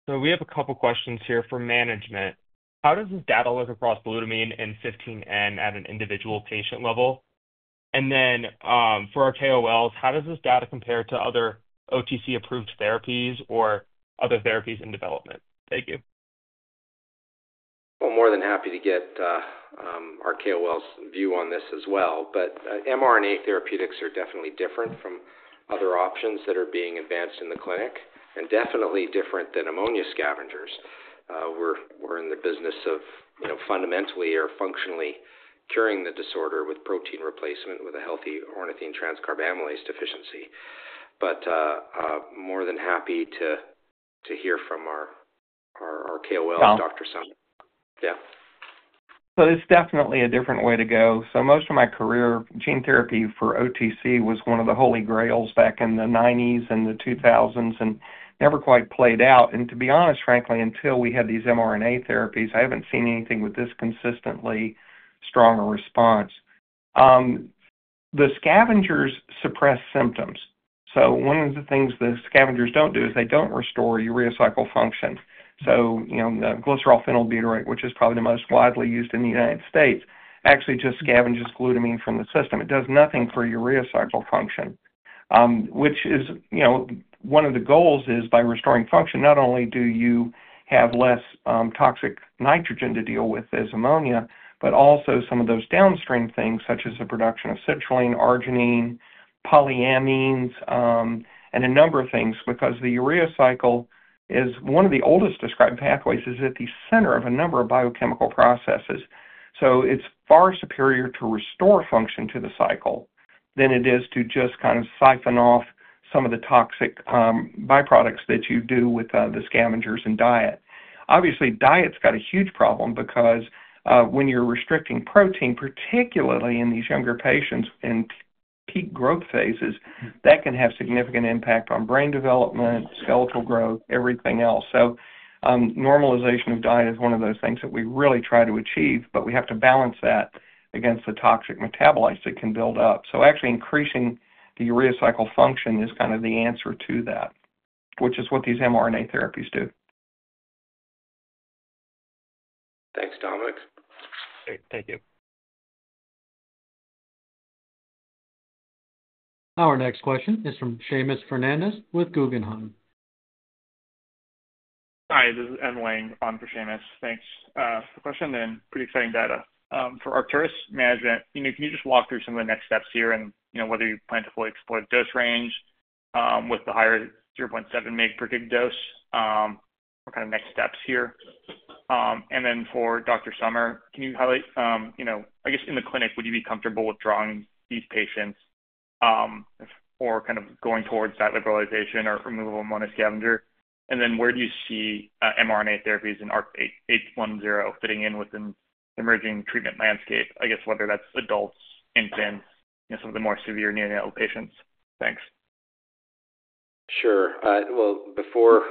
We have a couple of questions here for management. How does this data look across glutamine and 15N at an individual patient level? For our KOLs, how does this data compare to other OTC-approved therapies or other therapies in development? Thank you. More than happy to get our KOLs' view on this as well. mRNA therapeutics are definitely different from other options that are being advanced in the clinic and definitely different than ammonia scavengers. We are in the business of fundamentally or functionally curing the disorder with protein replacement with a healthy ornithine transcarbamylase deficiency. More than happy to hear from our KOLs, Dr. Sommer. Yeah. It's definitely a different way to go. Most of my career, gene therapy for OTC was one of the holy grails back in the 1990s and the 2000s and never quite played out. To be honest, frankly, until we had these mRNA therapies, I haven't seen anything with this consistently strong a response. The scavengers suppress symptoms. One of the things the scavengers do not do is they do not restore urea cycle function. The glycerol phenylbutyrate, which is probably the most widely used in the United States, actually just scavenges glutamine from the system. It does nothing for urea cycle function, which is one of the goals is by restoring function, not only do you have less toxic nitrogen to deal with as ammonia, but also some of those downstream things such as the production of citrulline, arginine, polyamines, and a number of things because the urea cycle is one of the oldest described pathways, is at the center of a number of biochemical processes. It is far superior to restore function to the cycle than it is to just kind of siphon off some of the toxic byproducts that you do with the scavengers and diet. Obviously, diet's got a huge problem because when you're restricting protein, particularly in these younger patients in peak growth phases, that can have significant impact on brain development, skeletal growth, everything else. Normalization of diet is one of those things that we really try to achieve, but we have to balance that against the toxic metabolites that can build up. Actually increasing the urea cycle function is kind of the answer to that, which is what these mRNA therapies do. Thanks, Dominic. Great. Thank you. Our next question is from Seamus Fernandez with Guggenheim. Hi, this is Ed Lang on for Seamus. Thanks for the question and pretty exciting data. For Arcturus management, can you just walk through some of the next steps here and whether you plan to fully exploit dose range with the higher 0.7 mg/day dose? What kind of next steps here? For Dr. Sommer, can you highlight, I guess in the clinic, would you be comfortable with drawing these patients or kind of going towards that liberalization or removal of ammonia scavenger? Where do you see mRNA therapies and ARCT-810 fitting in within the emerging treatment landscape, I guess whether that's adults, infants, some of the more severe neonatal patients? Thanks. Sure. Before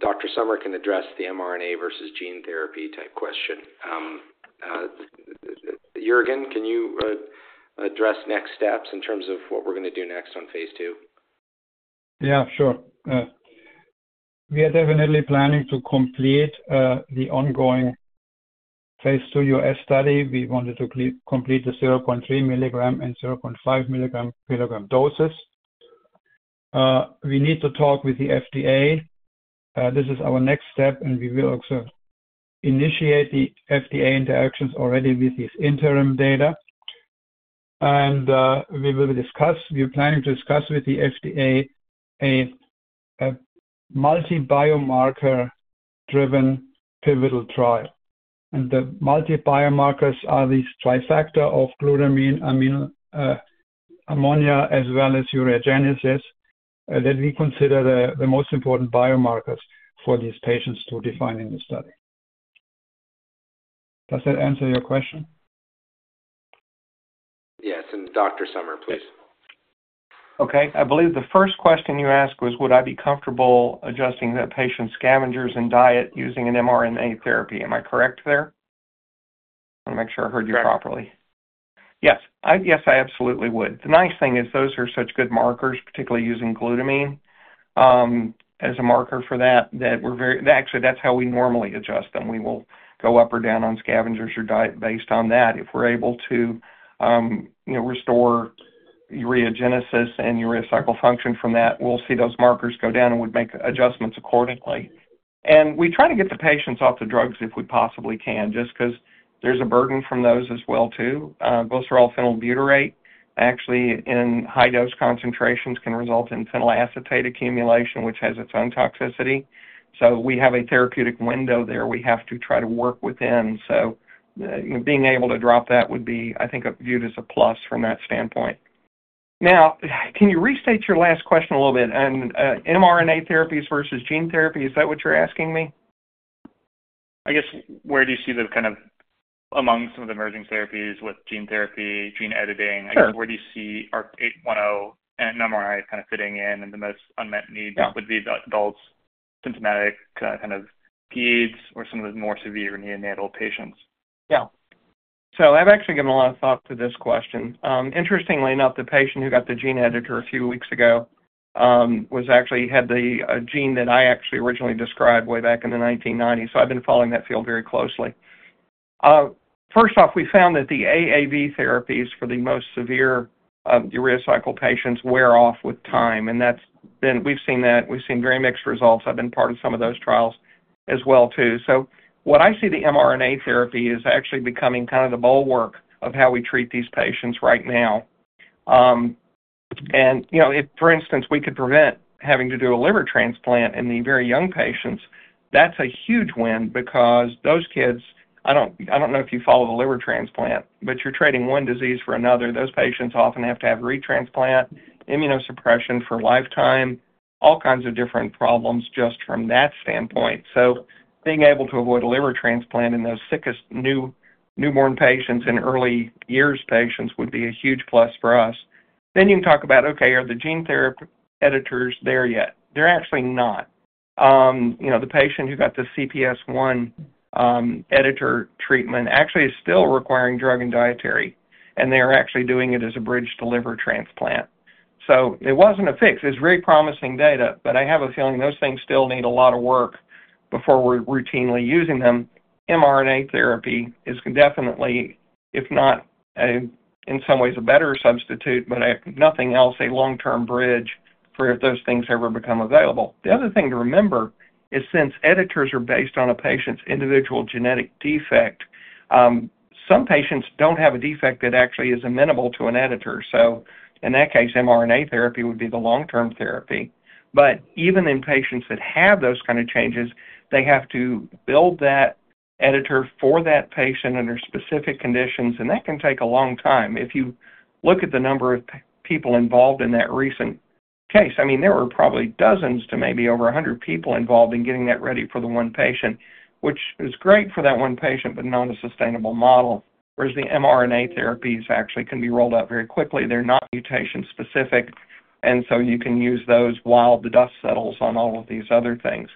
Dr. Sommer can address the mRNA versus gene therapy type question, Jørgen, can you address next steps in terms of what we're going to do next on phase II? Yeah, sure. We are definitely planning to complete the ongoing phase II U.S. study. We wanted to complete the 0.3 mg and 0.5 mg/kg doses. We need to talk with the FDA. This is our next step, and we will also initiate the FDA interactions already with these interim data. We will discuss—we're planning to discuss with the FDA a multi-biomarker-driven pivotal trial. The multi-biomarkers are this trifactor of glutamine, ammonia, as well as ureogenesis that we consider the most important biomarkers for these patients to define in the study. Does that answer your question? Yes. Dr. Sommer, please. Okay. I believe the first question you asked was, would I be comfortable adjusting that patient's scavengers and diet using an mRNA therapy? Am I correct there? I want to make sure I heard you properly. Yes. Yes, I absolutely would. The nice thing is those are such good markers, particularly using glutamine as a marker for that, that we're very—actually, that's how we normally adjust them. We will go up or down on scavengers or diet based on that. If we're able to restore ureogenesis and urea cycle function from that, we'll see those markers go down and would make adjustments accordingly. We try to get the patients off the drugs if we possibly can just because there's a burden from those as well, too. Glycerol phenylbutyrate, actually, in high-dose concentrations can result in phenylacetate accumulation, which has its own toxicity. We have a therapeutic window there we have to try to work within. Being able to drop that would be, I think, viewed as a plus from that standpoint. Now, can you restate your last question a little bit? mRNA therapies versus gene therapy, is that what you're asking me? I guess where do you see the kind of among some of the emerging therapies with gene therapy, gene editing, I guess where do you see ARCT-810 and mRNA kind of fitting in and the most unmet needs would be the adults' symptomatic kind of PEDs or some of the more severe neonatal patients? Yeah. So I've actually given a lot of thought to this question. Interestingly enough, the patient who got the gene editor a few weeks ago actually had the gene that I originally described way back in the 1990s. I've been following that field very closely. First off, we found that the AAV therapies for the most severe urea cycle patients wear off with time. We've seen that. We've seen very mixed results. I've been part of some of those trials as well, too. What I see is the mRNA therapy actually becoming kind of the bulwark of how we treat these patients right now. If, for instance, we could prevent having to do a liver transplant in the very young patients, that's a huge win because those kids—I don't know if you follow the liver transplant, but you're trading one disease for another. Those patients often have to have retransplant immunosuppression for lifetime, all kinds of different problems just from that standpoint. Being able to avoid a liver transplant in those sickest newborn patients and early years patients would be a huge plus for us. You can talk about, okay, are the gene therapy editors there yet? They're actually not. The patient who got the CPS1 editor treatment actually is still requiring drug and dietary, and they're actually doing it as a bridge to liver transplant. It was not a fix. It is very promising data, but I have a feeling those things still need a lot of work before we're routinely using them. mRNA therapy is definitely, if not in some ways, a better substitute, but if nothing else, a long-term bridge for if those things ever become available. The other thing to remember is since editors are based on a patient's individual genetic defect, some patients do not have a defect that actually is amenable to an editor. In that case, mRNA therapy would be the long-term therapy. Even in patients that have those kind of changes, they have to build that editor for that patient under specific conditions, and that can take a long time. If you look at the number of people involved in that recent case, I mean, there were probably dozens to maybe over 100 people involved in getting that ready for the one patient, which is great for that one patient, but not a sustainable model. Whereas the mRNA therapies actually can be rolled out very quickly. They are not mutation-specific, and you can use those while the dust settles on all of these other things.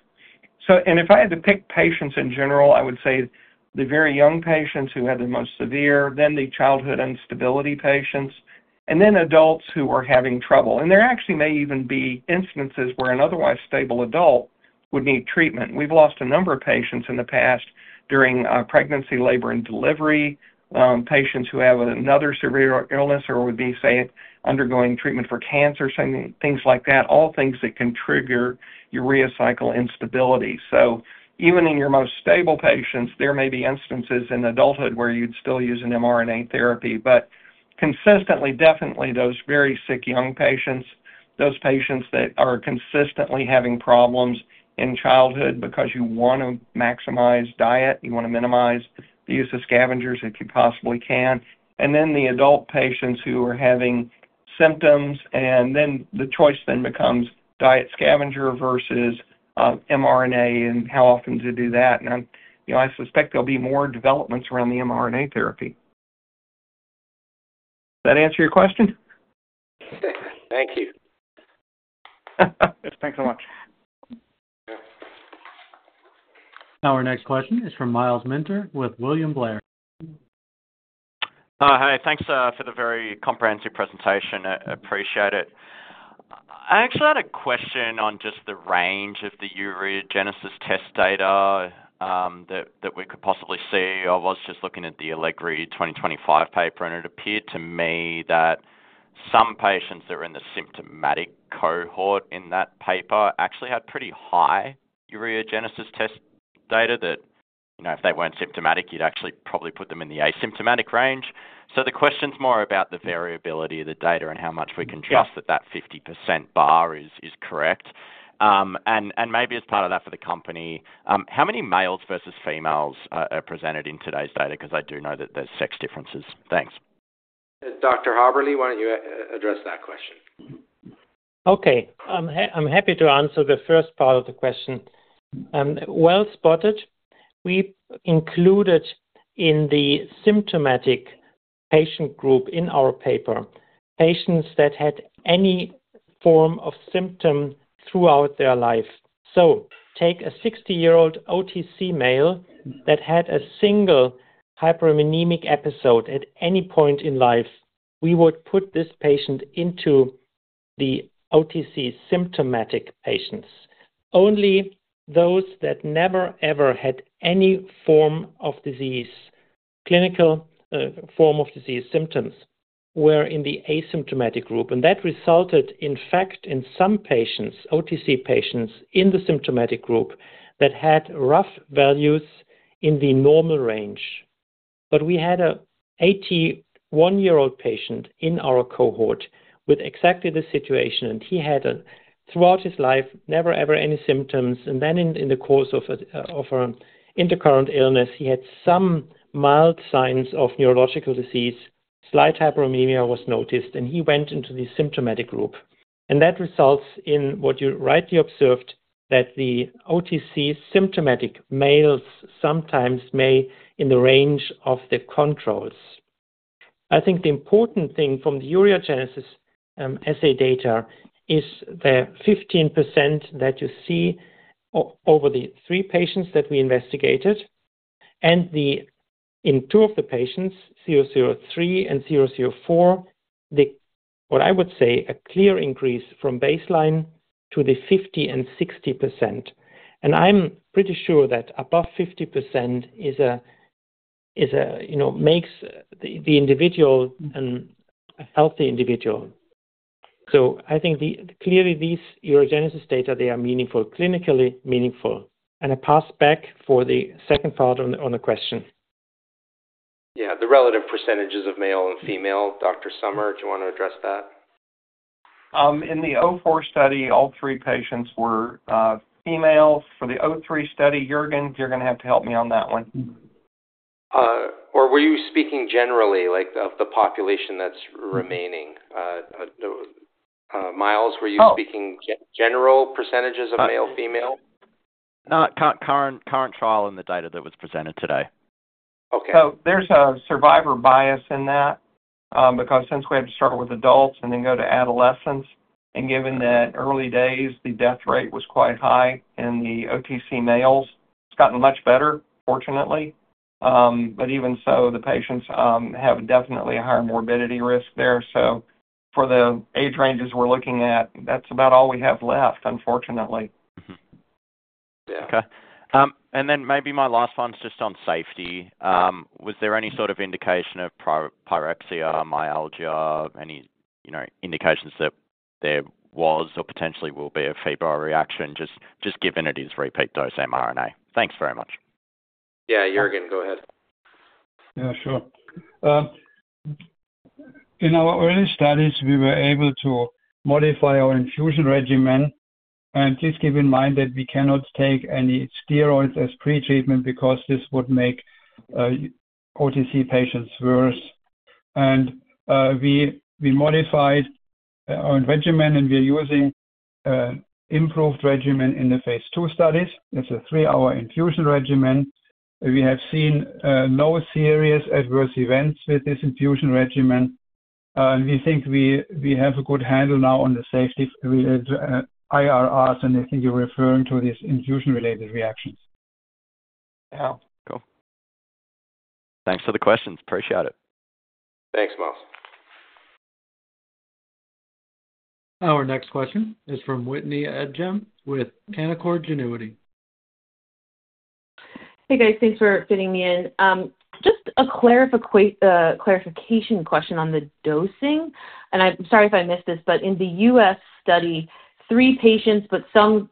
If I had to pick patients in general, I would say the very young patients who had the most severe, then the childhood instability patients, and then adults who were having trouble. There actually may even be instances where an otherwise stable adult would need treatment. We've lost a number of patients in the past during pregnancy, labor, and delivery, patients who have another severe illness or would be, say, undergoing treatment for cancer, things like that, all things that can trigger urea cycle instability. Even in your most stable patients, there may be instances in adulthood where you'd still use an mRNA therapy. Consistently, definitely those very sick young patients, those patients that are consistently having problems in childhood because you want to maximize diet, you want to minimize the use of scavengers if you possibly can. Then the adult patients who are having symptoms, and then the choice then becomes diet scavenger versus mRNA and how often to do that. I suspect there will be more developments around the mRNA therapy. Does that answer your question? Thank you. Thanks so much. Our next question is from Myles Minter with William Blair. Hi. Thanks for the very comprehensive presentation. I appreciate it. I actually had a question on just the range of the ureogenesis test data that we could possibly see. I was just looking at the Allegri 2025 paper, and it appeared to me that some patients that were in the symptomatic cohort in that paper actually had pretty high ureogenesis test data that if they were not symptomatic, you would actually probably put them in the asymptomatic range. The question is more about the variability of the data and how much we can trust that that 50% bar is correct. Maybe as part of that for the company, how many males versus females are presented in today's data? Because I do know that there are sex differences. Thanks. Dr. Häberle, why don't you address that question? Okay. I'm happy to answer the first part of the question. Well spotted. We included in the symptomatic patient group in our paper patients that had any form of symptom throughout their life. Take a 60-year-old OTC male that had a single hyperammonemic episode at any point in life. We would put this patient into the OTC symptomatic patients. Only those that never, ever had any form of disease, clinical form of disease symptoms were in the asymptomatic group. That resulted, in fact, in some patients, OTC patients in the symptomatic group that had RUF values in the normal range. We had an 81-year-old patient in our cohort with exactly this situation, and he had throughout his life, never, ever any symptoms. In the course of an intercurrent illness, he had some mild signs of neurological disease, slight hyperammonemia was noticed, and he went into the symptomatic group. That results in what you rightly observed, that the OTC symptomatic males sometimes may be in the range of the controls. I think the important thing from the ureogenesis assay data is the 15% that you see over the three patients that we investigated. In two of the patients, 003 and 004, what I would say is a clear increase from baseline to the 50% and 60%. I'm pretty sure that above 50% makes the individual a healthy individual. I think clearly these ureogenesis data, they are meaningful, clinically meaningful. I pass back for the second part on the question. Yeah. The relative percentages of male and female, Dr. Sommer, do you want to address that? In the O4 study, all three patients were female. For the O3 study, Jørgen, you're going to have to help me on that one. Or were you speaking generally of the population that's remaining? Miles, were you speaking general percentages of male/female? Current trial and the data that was presented today. There's a survivor bias in that because since we had to start with adults and then go to adolescents, and given that early days, the death rate was quite high in the OTC males, it's gotten much better, fortunately. Even so, the patients have definitely a higher morbidity risk there. For the age ranges we're looking at, that's about all we have left, unfortunately. Okay. And then maybe my last one's just on safety. Was there any sort of indication of pyrexia, myalgia, any indications that there was or potentially will be a fever reaction just given it is repeat dose mRNA? Thanks very much. Yeah. Jørgen, go ahead. Yeah, sure. In our early studies, we were able to modify our infusion regimen. Please keep in mind that we cannot take any steroids as pretreatment because this would make OTC patients worse. We modified our regimen, and we're using an improved regimen in the phase II studies. It's a three-hour infusion regimen. We have seen no serious adverse events with this infusion regimen. We think we have a good handle now on the safety IRRs, and I think you're referring to these infusion-related reactions. Yeah. Cool. Thanks for the questions. Appreciate it. Thanks, Miles. Our next question is from Whitney Adjam with Canaccord Genuity. Hey, guys. Thanks for fitting me in. Just a clarification question on the dosing. I'm sorry if I missed this, but in the U.S. study, three patients, but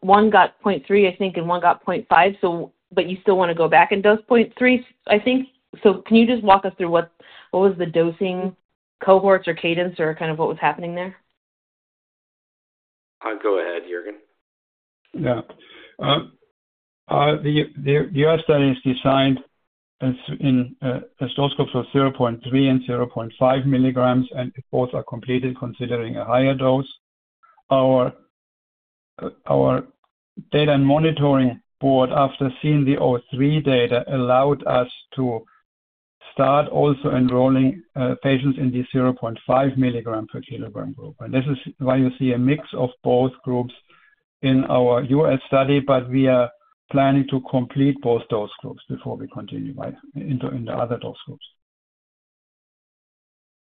one got 0.3, I think, and one got 0.5, but you still want to go back and dose 0.3, I think. Can you just walk us through what was the dosing cohorts or cadence or kind of what was happening there? I'll go ahead, Jørgen. Yeah. The U.S. study is designed in stool scopes of 0.3 and 0.5 milligrams, and both are completed considering a higher dose. Our data and monitoring board, after seeing the 0.3 data, allowed us to start also enrolling patients in the 0.5 milligram per kilogram group. This is why you see a mix of both groups in our U.S. study, but we are planning to complete both dose groups before we continue into the other dose groups.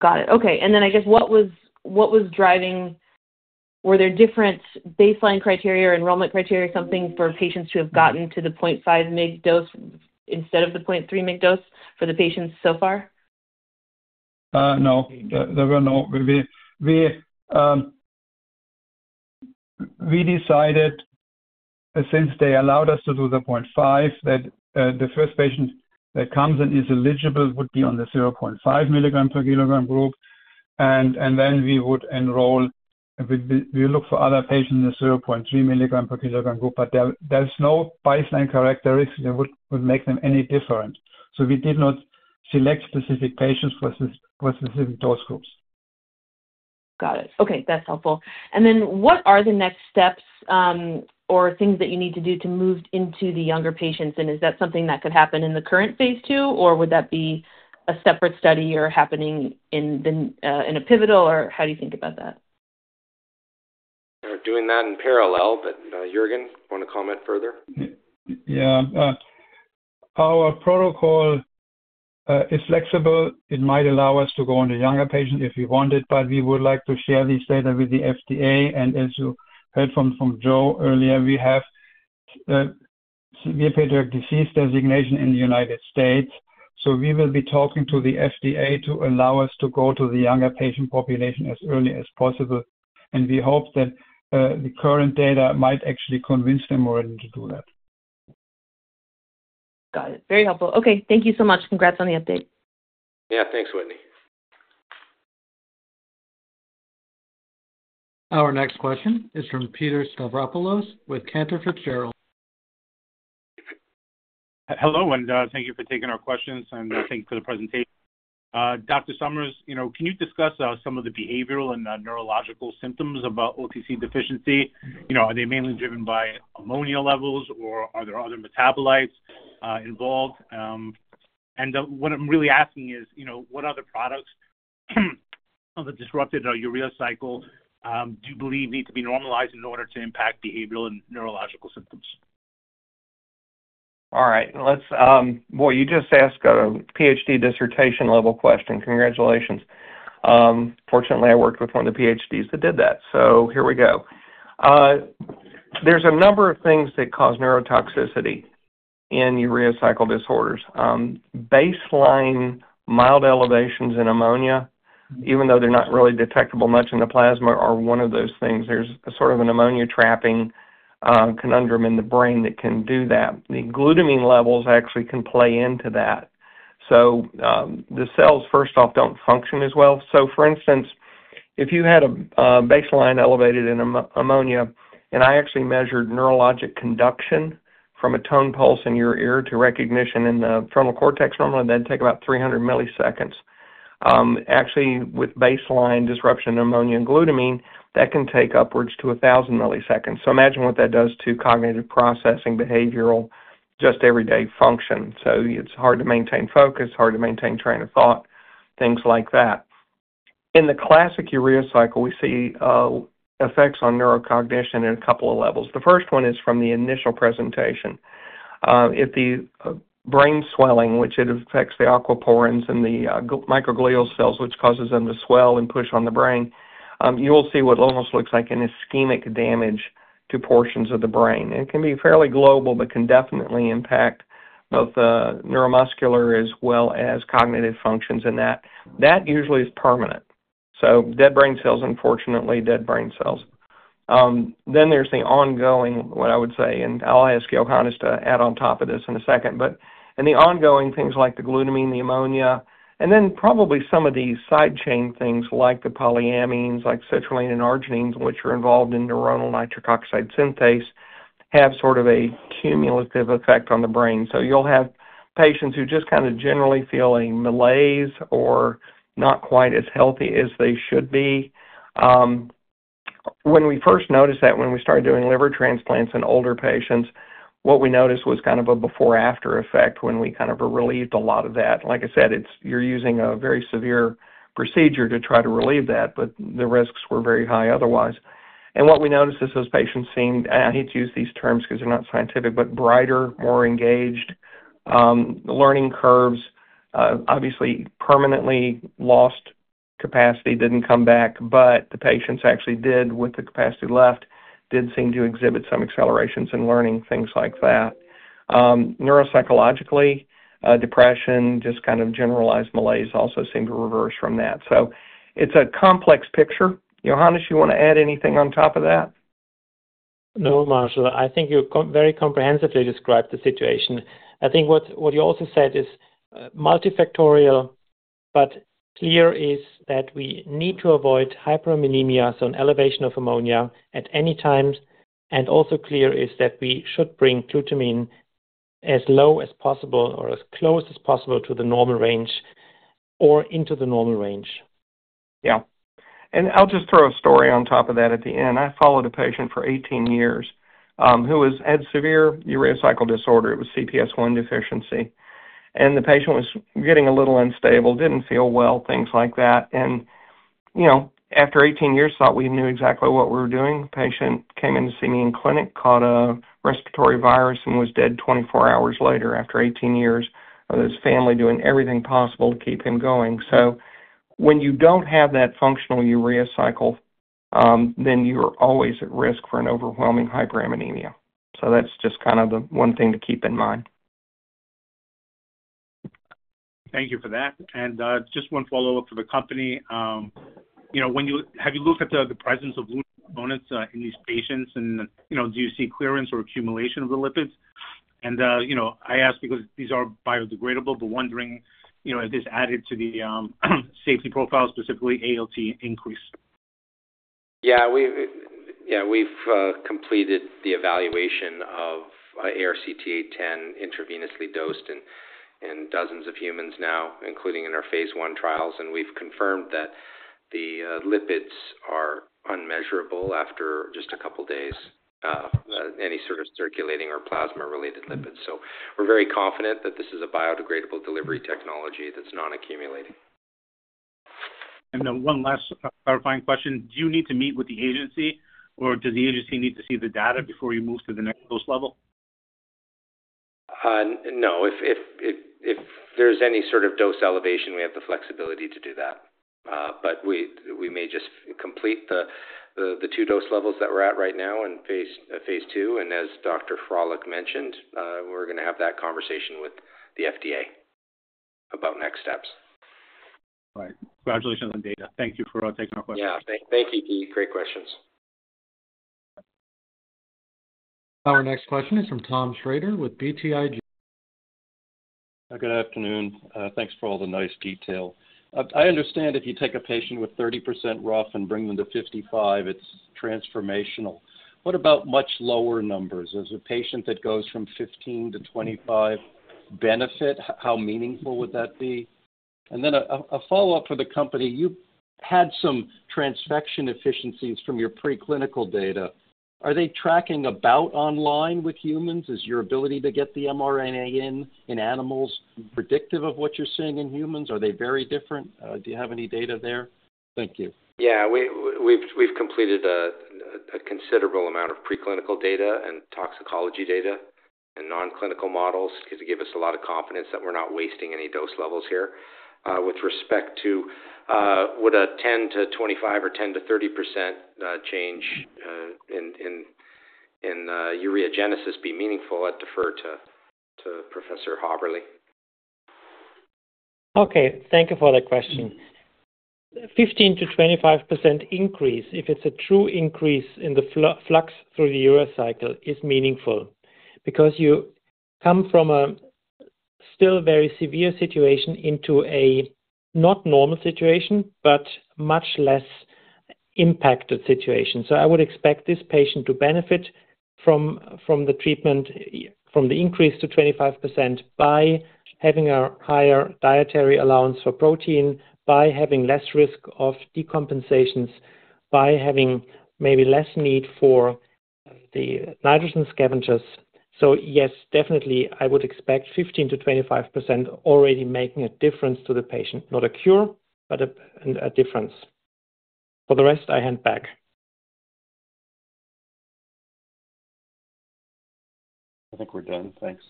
Got it. Okay. I guess what was driving? Were there different baseline criteria or enrollment criteria, something for patients to have gotten to the 0.5 mg dose instead of the 0.3 mg dose for the patients so far? No. We decided since they allowed us to do the 0.5 that the first patient that comes and is eligible would be on the 0.5 milligram per kilogram group. We would enroll. We look for other patients in the 0.3 milligram per kilogram group, but there is no baseline characteristic that would make them any different. We did not select specific patients for specific dose groups. Got it. Okay. That's helpful. What are the next steps or things that you need to do to move into the younger patients? Is that something that could happen in the current phase II, or would that be a separate study or happening in a pivotal, or how do you think about that? They're doing that in parallel, but Jørgen, you want to comment further? Yeah. Our protocol is flexible. It might allow us to go on the younger patient if we wanted, but we would like to share these data with the FDA. As you heard from Joe earlier, we have severe pediatric disease designation in the United States. We will be talking to the FDA to allow us to go to the younger patient population as early as possible. We hope that the current data might actually convince them already to do that. Got it. Very helpful. Okay. Thank you so much. Congrats on the update. Yeah. Thanks, Whitney. Our next question is from Peter Stavropoulos with Cantor Fitzgerald. Hello, and thank you for taking our questions and thank you for the presentation. Dr. Sommer, can you discuss some of the behavioral and neurological symptoms of OTC deficiency? Are they mainly driven by ammonia levels, or are there other metabolites involved? What I am really asking is, what other products of the disrupted urea cycle do you believe need to be normalized in order to impact behavioral and neurological symptoms? All right. You just asked a PhD dissertation-level question. Congratulations. Fortunately, I worked with one of the PhDs that did that. Here we go. There are a number of things that cause neurotoxicity in urea cycle disorders. Baseline mild elevations in ammonia, even though they're not really detectable much in the plasma, are one of those things. There's sort of an ammonia trapping conundrum in the brain that can do that. The glutamine levels actually can play into that. The cells, first off, don't function as well. For instance, if you had a baseline elevated in ammonia, and I actually measured neurologic conduction from a tone pulse in your ear to recognition in the frontal cortex, normally, that would take about 300 milliseconds. Actually, with baseline disruption in ammonia and glutamine, that can take upwards to 1,000 milliseconds. Imagine what that does to cognitive processing, behavioral, just everyday function. It's hard to maintain focus, hard to maintain train of thought, things like that. In the classic urea cycle, we see effects on neurocognition at a couple of levels. The first one is from the initial presentation. If the brain swelling, which affects the aquaporins and the microglial cells, which causes them to swell and push on the brain, you will see what almost looks like an ischemic damage to portions of the brain. It can be fairly global, but can definitely impact both the neuromuscular as well as cognitive functions, and that usually is permanent. Dead brain cells, unfortunately, dead brain cells. There is the ongoing, what I would say, and I'll ask Johannes to add on top of this in a second, but in the ongoing things like the glutamine, the ammonia, and then probably some of these side chain things like the polyamines, like citrulline and arginines, which are involved in neuronal nitric oxide synthase, have sort of a cumulative effect on the brain. You will have patients who just kind of generally feel a malaise or not quite as healthy as they should be. When we first noticed that, when we started doing liver transplants in older patients, what we noticed was kind of a before-after effect when we kind of relieved a lot of that. Like I said, you are using a very severe procedure to try to relieve that, but the risks were very high otherwise. What we noticed is those patients seemed—I hate to use these terms because they're not scientific—but brighter, more engaged, learning curves, obviously permanently lost capacity, didn't come back, but the patients actually did, with the capacity left, did seem to exhibit some accelerations in learning, things like that. Neuropsychologically, depression, just kind of generalized malaise also seemed to reverse from that. It is a complex picture. Johannes, you want to add anything on top of that? No, Myles. I think you very comprehensively described the situation. I think what you also said is multifactorial, but clear is that we need to avoid hyperammonemia, so an elevation of ammonia at any time. It is also clear that we should bring glutamine as low as possible or as close as possible to the normal range or into the normal range. Yeah. I'll just throw a story on top of that at the end. I followed a patient for 18 years who had severe urea cycle disorder. It was CPS1 deficiency. The patient was getting a little unstable, didn't feel well, things like that. After 18 years, thought we knew exactly what we were doing. The patient came in to see me in clinic, caught a respiratory virus, and was dead 24 hours later after 18 years of his family doing everything possible to keep him going. When you don't have that functional urea cycle, then you're always at risk for an overwhelming hyperammonemia. That's just kind of the one thing to keep in mind. Thank you for that. Just one follow-up for the company. Have you looked at the presence of lipid components in these patients, and do you see clearance or accumulation of the lipids? I ask because these are biodegradable, but wondering if this added to the safety profile, specifically ALT increase. Yeah. Yeah. We've completed the evaluation of ARCT-810 intravenously dosed in dozens of humans now, including in our phase one trials, and we've confirmed that the lipids are unmeasurable after just a couple of days, any sort of circulating or plasma-related lipids. We are very confident that this is a biodegradable delivery technology that's non-accumulating. One last clarifying question. Do you need to meet with the agency, or does the agency need to see the data before you move to the next dose level? No. If there's any sort of dose elevation, we have the flexibility to do that. We may just complete the two dose levels that we're at right now in phase II. As Dr. Froelich mentioned, we're going to have that conversation with the FDA about next steps. All right. Congratulations on the data. Thank you for taking our questions. Yeah. Thank you, Keith. Great questions. Our next question is from Tom Schrader with BTIG. Good afternoon. Thanks for all the nice detail. I understand if you take a patient with 30% RUF and bring them to 55%, it's transformational. What about much lower numbers? Does a patient that goes from 15% to 25% benefit? How meaningful would that be? A follow-up for the company. You had some transfection efficiencies from your preclinical data. Are they tracking about online with humans? Is your ability to get the mRNA in animals predictive of what you're seeing in humans? Are they very different? Do you have any data there? Thank you. Yeah. We've completed a considerable amount of preclinical data and toxicology data and non-clinical models because it gave us a lot of confidence that we're not wasting any dose levels here. With respect to would a 10%-25% or 10%-30% change in ureogenesis be meaningful? I'd defer to Professor Häberle. Okay. Thank you for that question. 15%-25% increase, if it's a true increase in the flux through the urea cycle, is meaningful because you come from a still very severe situation into a not normal situation, but much less impacted situation. I would expect this patient to benefit from the treatment, from the increase to 25%, by having a higher dietary allowance for protein, by having less risk of decompensations, by having maybe less need for the nitrogen scavengers. Yes, definitely, I would expect 15%-25% already making a difference to the patient. Not a cure, but a difference. For the rest, I hand back. I think we're done. Thanks.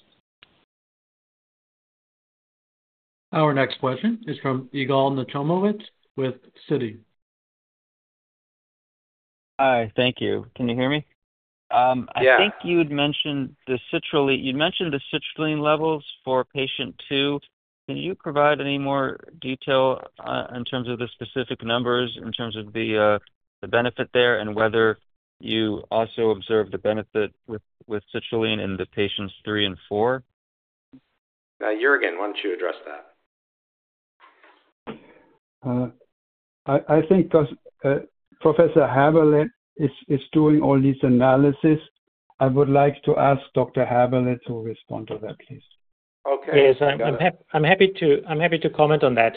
Our next question is from Igon Natomovic with CITI. Hi. Thank you. Can you hear me? Yeah. I think you'd mentioned the citrulline. You'd mentioned the citrulline levels for patient two. Can you provide any more detail in terms of the specific numbers, in terms of the benefit there, and whether you also observed the benefit with citrulline in the patients three and four? Jørgen, why don't you address that? I think Professor Häberle is doing all these analyses. I would like to ask Dr. Häberle to respond to that, please. Yes. I'm happy to comment on that.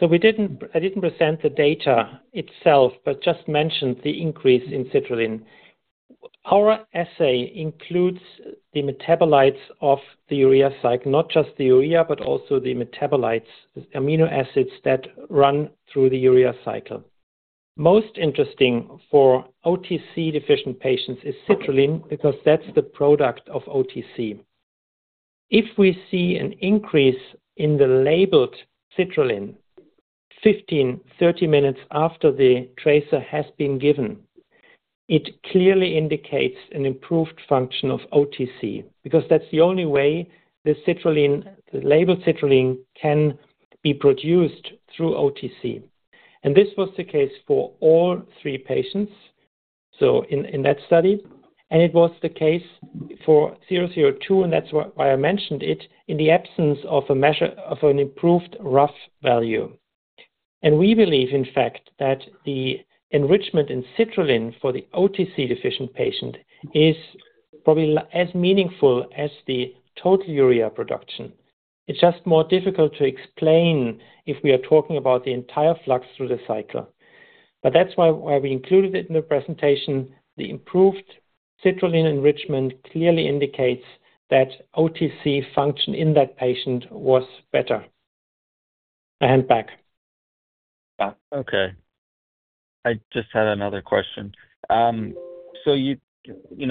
I didn't present the data itself, but just mentioned the increase in citrulline. Our assay includes the metabolites of the urea cycle, not just the urea, but also the metabolites, amino acids that run through the urea cycle. Most interesting for OTC deficient patients is citrulline because that's the product of OTC. If we see an increase in the labeled citrulline 15, 30 minutes after the tracer has been given, it clearly indicates an improved function of OTC because that's the only way the labeled citrulline can be produced through OTC. This was the case for all three patients in that study. It was the case for 002, and that's why I mentioned it, in the absence of an improved RUF value. We believe, in fact, that the enrichment in citrulline for the OTC deficient patient is probably as meaningful as the total urea production. It is just more difficult to explain if we are talking about the entire flux through the cycle. That is why we included it in the presentation. The improved citrulline enrichment clearly indicates that OTC function in that patient was better. I hand back. Yeah. Okay. I just had another question.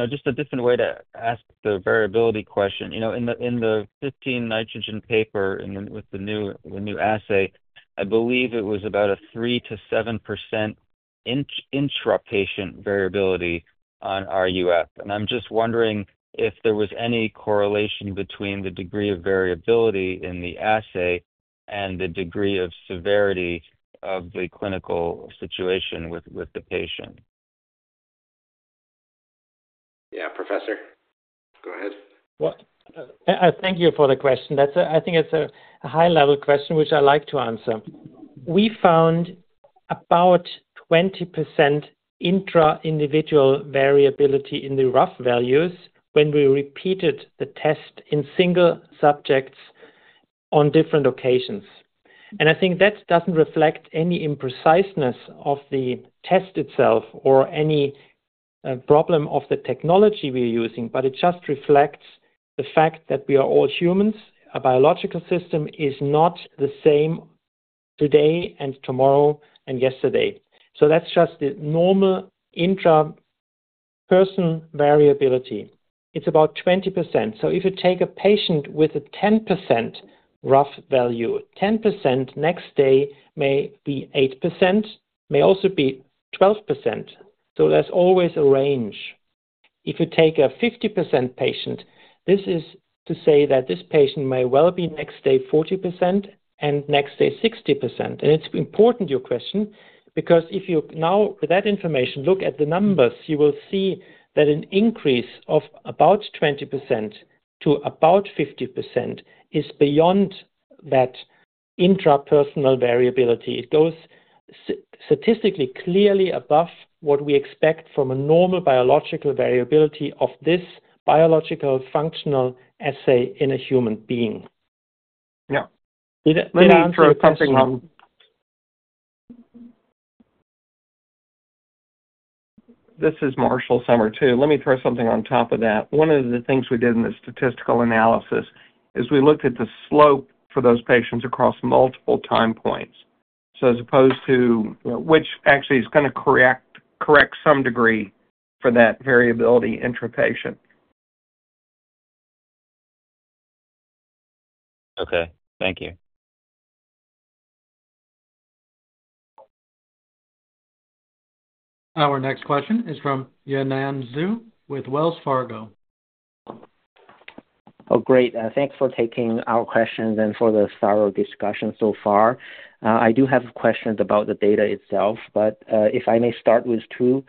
Just a different way to ask the variability question. In the 15N paper with the new assay, I believe it was about a 3%-7% intra-patient variability on RUF. I'm just wondering if there was any correlation between the degree of variability in the assay and the degree of severity of the clinical situation with the patient. Yeah. Professor, go ahead. Thank you for the question. I think it's a high-level question, which I like to answer. We found about 20% intra-individual variability in the RUF values when we repeated the test in single subjects on different occasions. I think that doesn't reflect any impreciseness of the test itself or any problem of the technology we're using, but it just reflects the fact that we are all humans. A biological system is not the same today and tomorrow and yesterday. That's just the normal intra-person variability. It's about 20%. If you take a patient with a 10% RUF value, 10% next day may be 8%, may also be 12%. There's always a range. If you take a 50% patient, this is to say that this patient may well be next day 40% and next day 60%. It is important, your question, because if you now, with that information, look at the numbers, you will see that an increase of about 20% to about 50% is beyond that intra-personal variability. It goes statistically clearly above what we expect from a normal biological variability of this biological functional assay in a human being. Yeah. Let me throw something on. This is Marshall Sommer, too. Let me throw something on top of that. One of the things we did in the statistical analysis is we looked at the slope for those patients across multiple time points. As opposed to which actually is going to correct some degree for that variability intra-patient. Okay. Thank you. Our next question is from Yanan Zhu with Wells Fargo. Oh, great. Thanks for taking our questions and for the thorough discussion so far. I do have questions about the data itself, but if I may start with two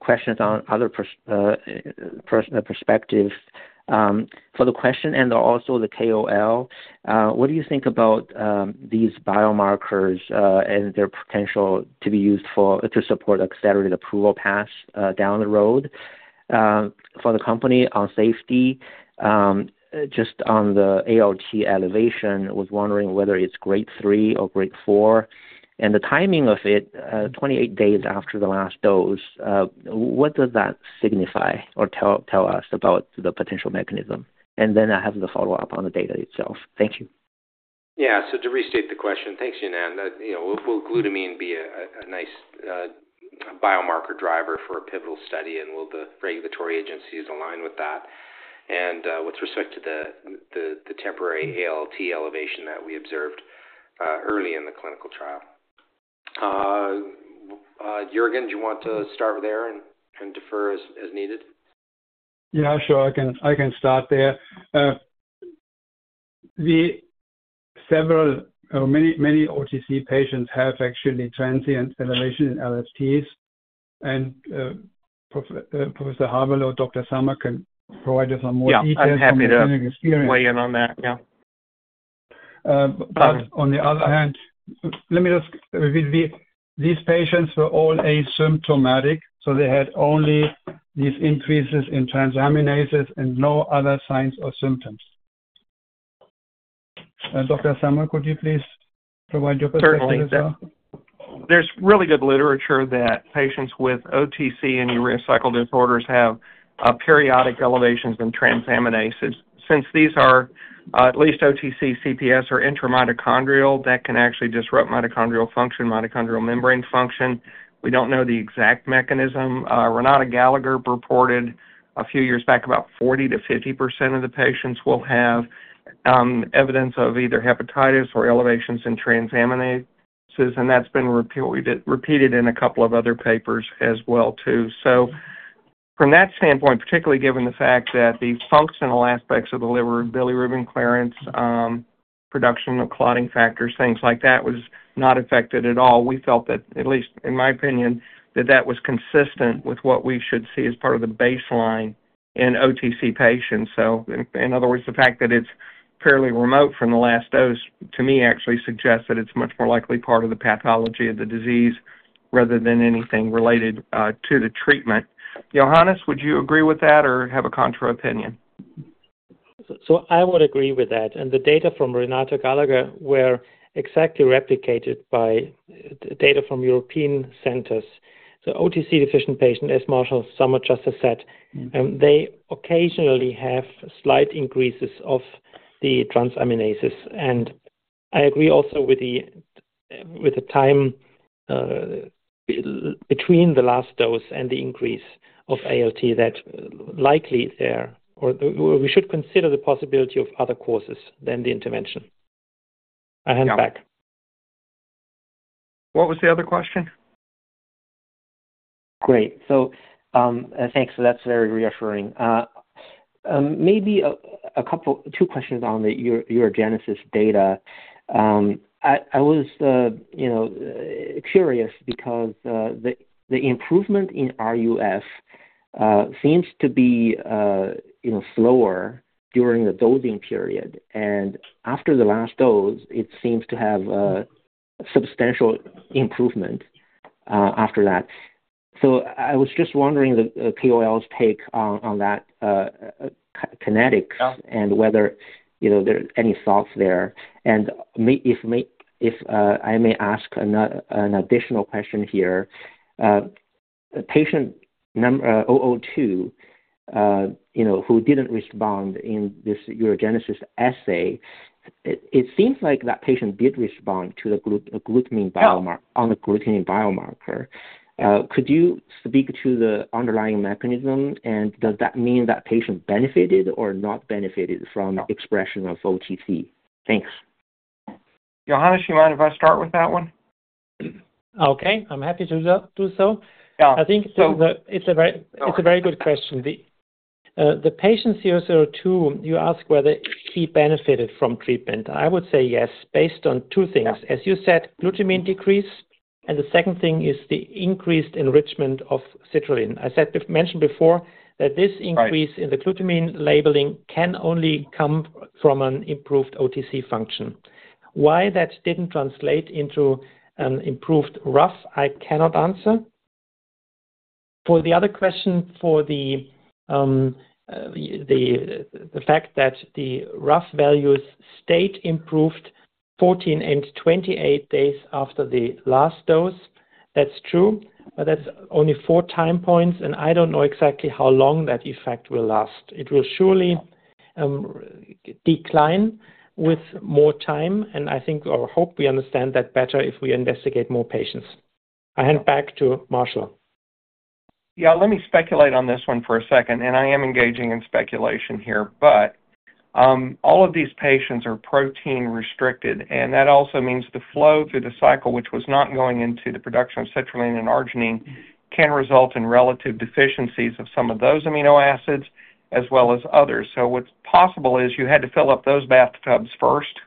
questions on other perspectives. For the question and also the KOL, what do you think about these biomarkers and their potential to be used to support accelerated approval paths down the road for the company on safety? Just on the ALT elevation, I was wondering whether it's grade 3 or grade 4. The timing of it, 28 days after the last dose, what does that signify or tell us about the potential mechanism? I have the follow-up on the data itself. Thank you. Yeah. To restate the question, thanks, Yanan. Will glutamine be a nice biomarker driver for a pivotal study, and will the regulatory agencies align with that? With respect to the temporary ALT elevation that we observed early in the clinical trial, Jørgen, do you want to start there and defer as needed? Yeah. Sure. I can start there. Several or many OTC patients have actually transient elevation in LFTs. And Professor Häberle or Dr. Sommer can provide us some more details. Yeah, I'm happy to weigh in on that. Yeah. On the other hand, let me just repeat. These patients were all asymptomatic, so they had only these increases in transaminases and no other signs or symptoms. Dr. Sommer, could you please provide your perspective? Certainly. There's really good literature that patients with OTC and urea cycle disorders have periodic elevations in transaminases. Since these are at least OTC, CPS, or intramitochondrial, that can actually disrupt mitochondrial function, mitochondrial membrane function. We don't know the exact mechanism. Renata Gallagher reported a few years back about 40%-50% of the patients will have evidence of either hepatitis or elevations in transaminases, and that's been repeated in a couple of other papers as well, too. From that standpoint, particularly given the fact that the functional aspects of the liver and bilirubin clearance, production of clotting factors, things like that was not affected at all, we felt that, at least in my opinion, that that was consistent with what we should see as part of the baseline in OTC patients. In other words, the fact that it's fairly remote from the last dose, to me, actually suggests that it's much more likely part of the pathology of the disease rather than anything related to the treatment. Johannes, would you agree with that or have a contra-opinion? I would agree with that. The data from Renata Gallagher were exactly replicated by data from European centers. OTC deficient patients, as Marshall Sommer just has said, occasionally have slight increases of the transaminases. I agree also with the time between the last dose and the increase of ALT that likely there or we should consider the possibility of other causes than the intervention. I hand back. What was the other question? Great. Thanks. That's very reassuring. Maybe two questions on the ureogenesis data. I was curious because the improvement in RUF seems to be slower during the dosing period, and after the last dose, it seems to have a substantial improvement after that. I was just wondering the KOL's take on that kinetics and whether there are any thoughts there. If I may ask an additional question here, patient 002 who did not respond in this ureogenesis assay, it seems like that patient did respond to the glutamine biomarker. Could you speak to the underlying mechanism, and does that mean that patient benefited or not benefited from expression of OTC? Thanks. Johannes, do you mind if I start with that one? Okay. I'm happy to do so. I think it's a very good question. The patient 002, you asked whether he benefited from treatment. I would say yes, based on two things. As you said, glutamine decrease, and the second thing is the increased enrichment of citrulline. I mentioned before that this increase in the glutamine labeling can only come from an improved OTC function. Why that didn't translate into an improved RUF, I cannot answer. For the other question, for the fact that the RUF values stayed improved 14 and 28 days after the last dose, that's true, but that's only four time points, and I don't know exactly how long that effect will last. It will surely decline with more time, and I think or hope we understand that better if we investigate more patients. I hand back to Marshall. Yeah. Let me speculate on this one for a second, and I am engaging in speculation here. All of these patients are protein-restricted, and that also means the flow through the cycle, which was not going into the production of citrulline and arginine, can result in relative deficiencies of some of those amino acids as well as others. What's possible is you had to fill up those bathtubs first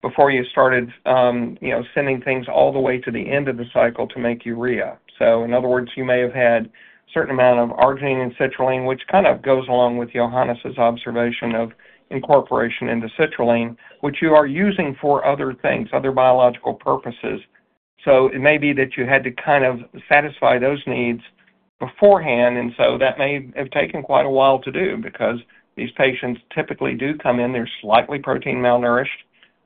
before you started sending things all the way to the end of the cycle to make urea. In other words, you may have had a certain amount of arginine and citrulline, which kind of goes along with Johannes' observation of incorporation into citrulline, which you are using for other things, other biological purposes. It may be that you had to kind of satisfy those needs beforehand, and that may have taken quite a while to do because these patients typically do come in. They're slightly protein malnourished,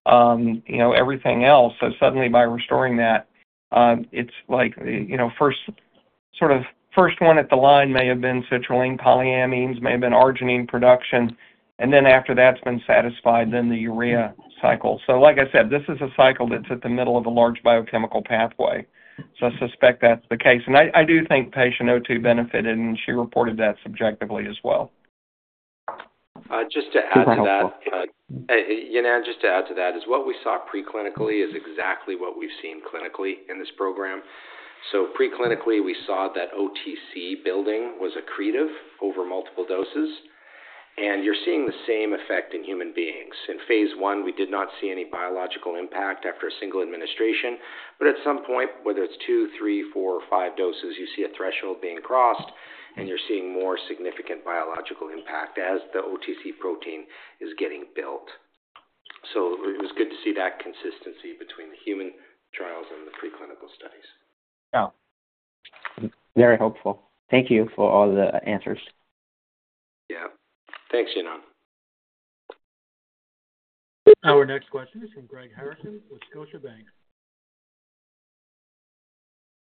everything else. Suddenly, by restoring that, it's like sort of first one at the line may have been citrulline, polyamines, may have been arginine production, and then after that's been satisfied, then the urea cycle. Like I said, this is a cycle that's at the middle of a large biochemical pathway. I suspect that's the case. I do think patient 002 benefited, and she reported that subjectively as well. Just to add to that, Yanan, just to add to that, what we saw preclinically is exactly what we've seen clinically in this program. Preclinically, we saw that OTC building was accretive over multiple doses. You're seeing the same effect in human beings. In phase I, we did not see any biological impact after a single administration. At some point, whether it's two, three, four, or five doses, you see a threshold being crossed, and you're seeing more significant biological impact as the OTC protein is getting built. It was good to see that consistency between the human trials and the preclinical studies. Yeah. Very helpful. Thank you for all the answers. Yeah. Thanks, Yanan. Our next question is from Greg Harrison with Scotiabank.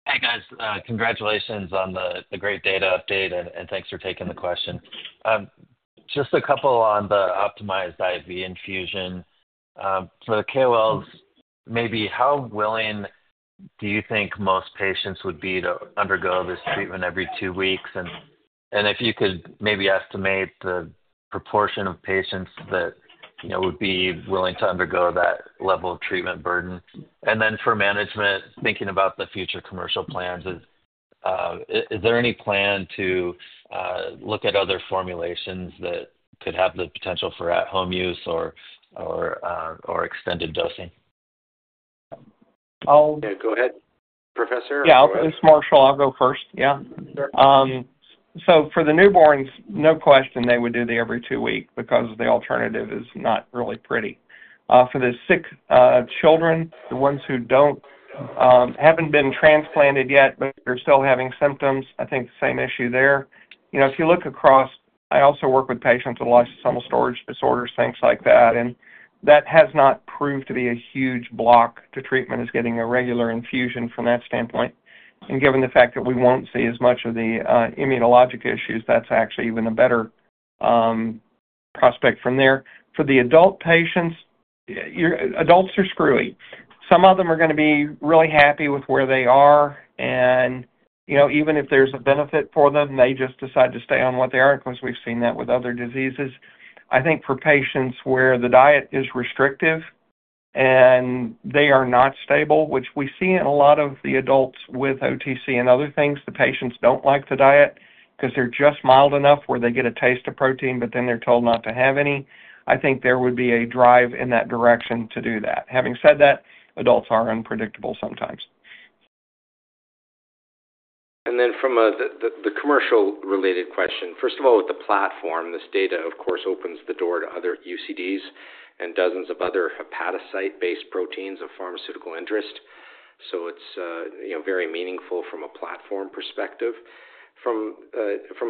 Hey, guys. Congratulations on the great data update, and thanks for taking the question. Just a couple on the optimized IV infusion. For the KOLs, maybe how willing do you think most patients would be to undergo this treatment every two weeks? If you could maybe estimate the proportion of patients that would be willing to undergo that level of treatment burden. For management, thinking about the future commercial plans, is there any plan to look at other formulations that could have the potential for at-home use or extended dosing? I'll. Yeah. Go ahead, Professor. Yeah. It's Marshall. I'll go first. Yeah. For the newborns, no question, they would do the every two weeks because the alternative is not really pretty. For the sick children, the ones who haven't been transplanted yet but are still having symptoms, I think the same issue there. If you look across, I also work with patients with lysosomal storage disorders, things like that. That has not proved to be a huge block to treatment, is getting a regular infusion from that standpoint. Given the fact that we won't see as much of the immunologic issues, that's actually even a better prospect from there. For the adult patients, adults are screwy. Some of them are going to be really happy with where they are. Even if there's a benefit for them, they just decide to stay on what they are because we've seen that with other diseases. I think for patients where the diet is restrictive and they are not stable, which we see in a lot of the adults with OTC and other things, the patients don't like the diet because they're just mild enough where they get a taste of protein, but then they're told not to have any. I think there would be a drive in that direction to do that. Having said that, adults are unpredictable sometimes. From the commercial-related question, first of all, with the platform, this data, of course, opens the door to other UCDs and dozens of other hepatocyte-based proteins of pharmaceutical interest. It is very meaningful from a platform perspective. From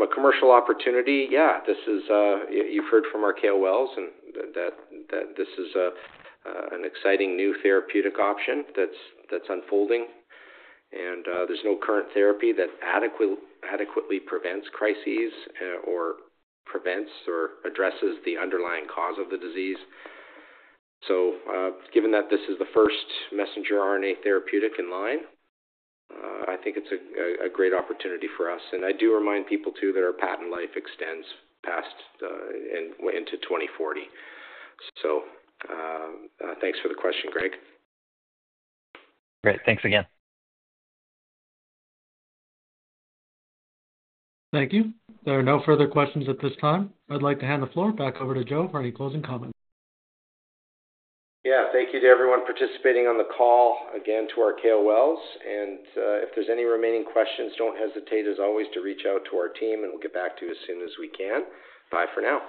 a commercial opportunity, yeah, you have heard from our KOLs that this is an exciting new therapeutic option that is unfolding. There is no current therapy that adequately prevents crises or addresses the underlying cause of the disease. Given that this is the first messenger RNA therapeutic in line, I think it is a great opportunity for us. I do remind people, too, that our patent life extends into 2040. Thanks for the question, Greg. Great. Thanks again. Thank you. There are no further questions at this time. I'd like to hand the floor back over to Joe for any closing comments. Yeah. Thank you to everyone participating on the call. Again, to our KOLs. If there are any remaining questions, do not hesitate, as always, to reach out to our team, and we will get back to you as soon as we can. Bye for now.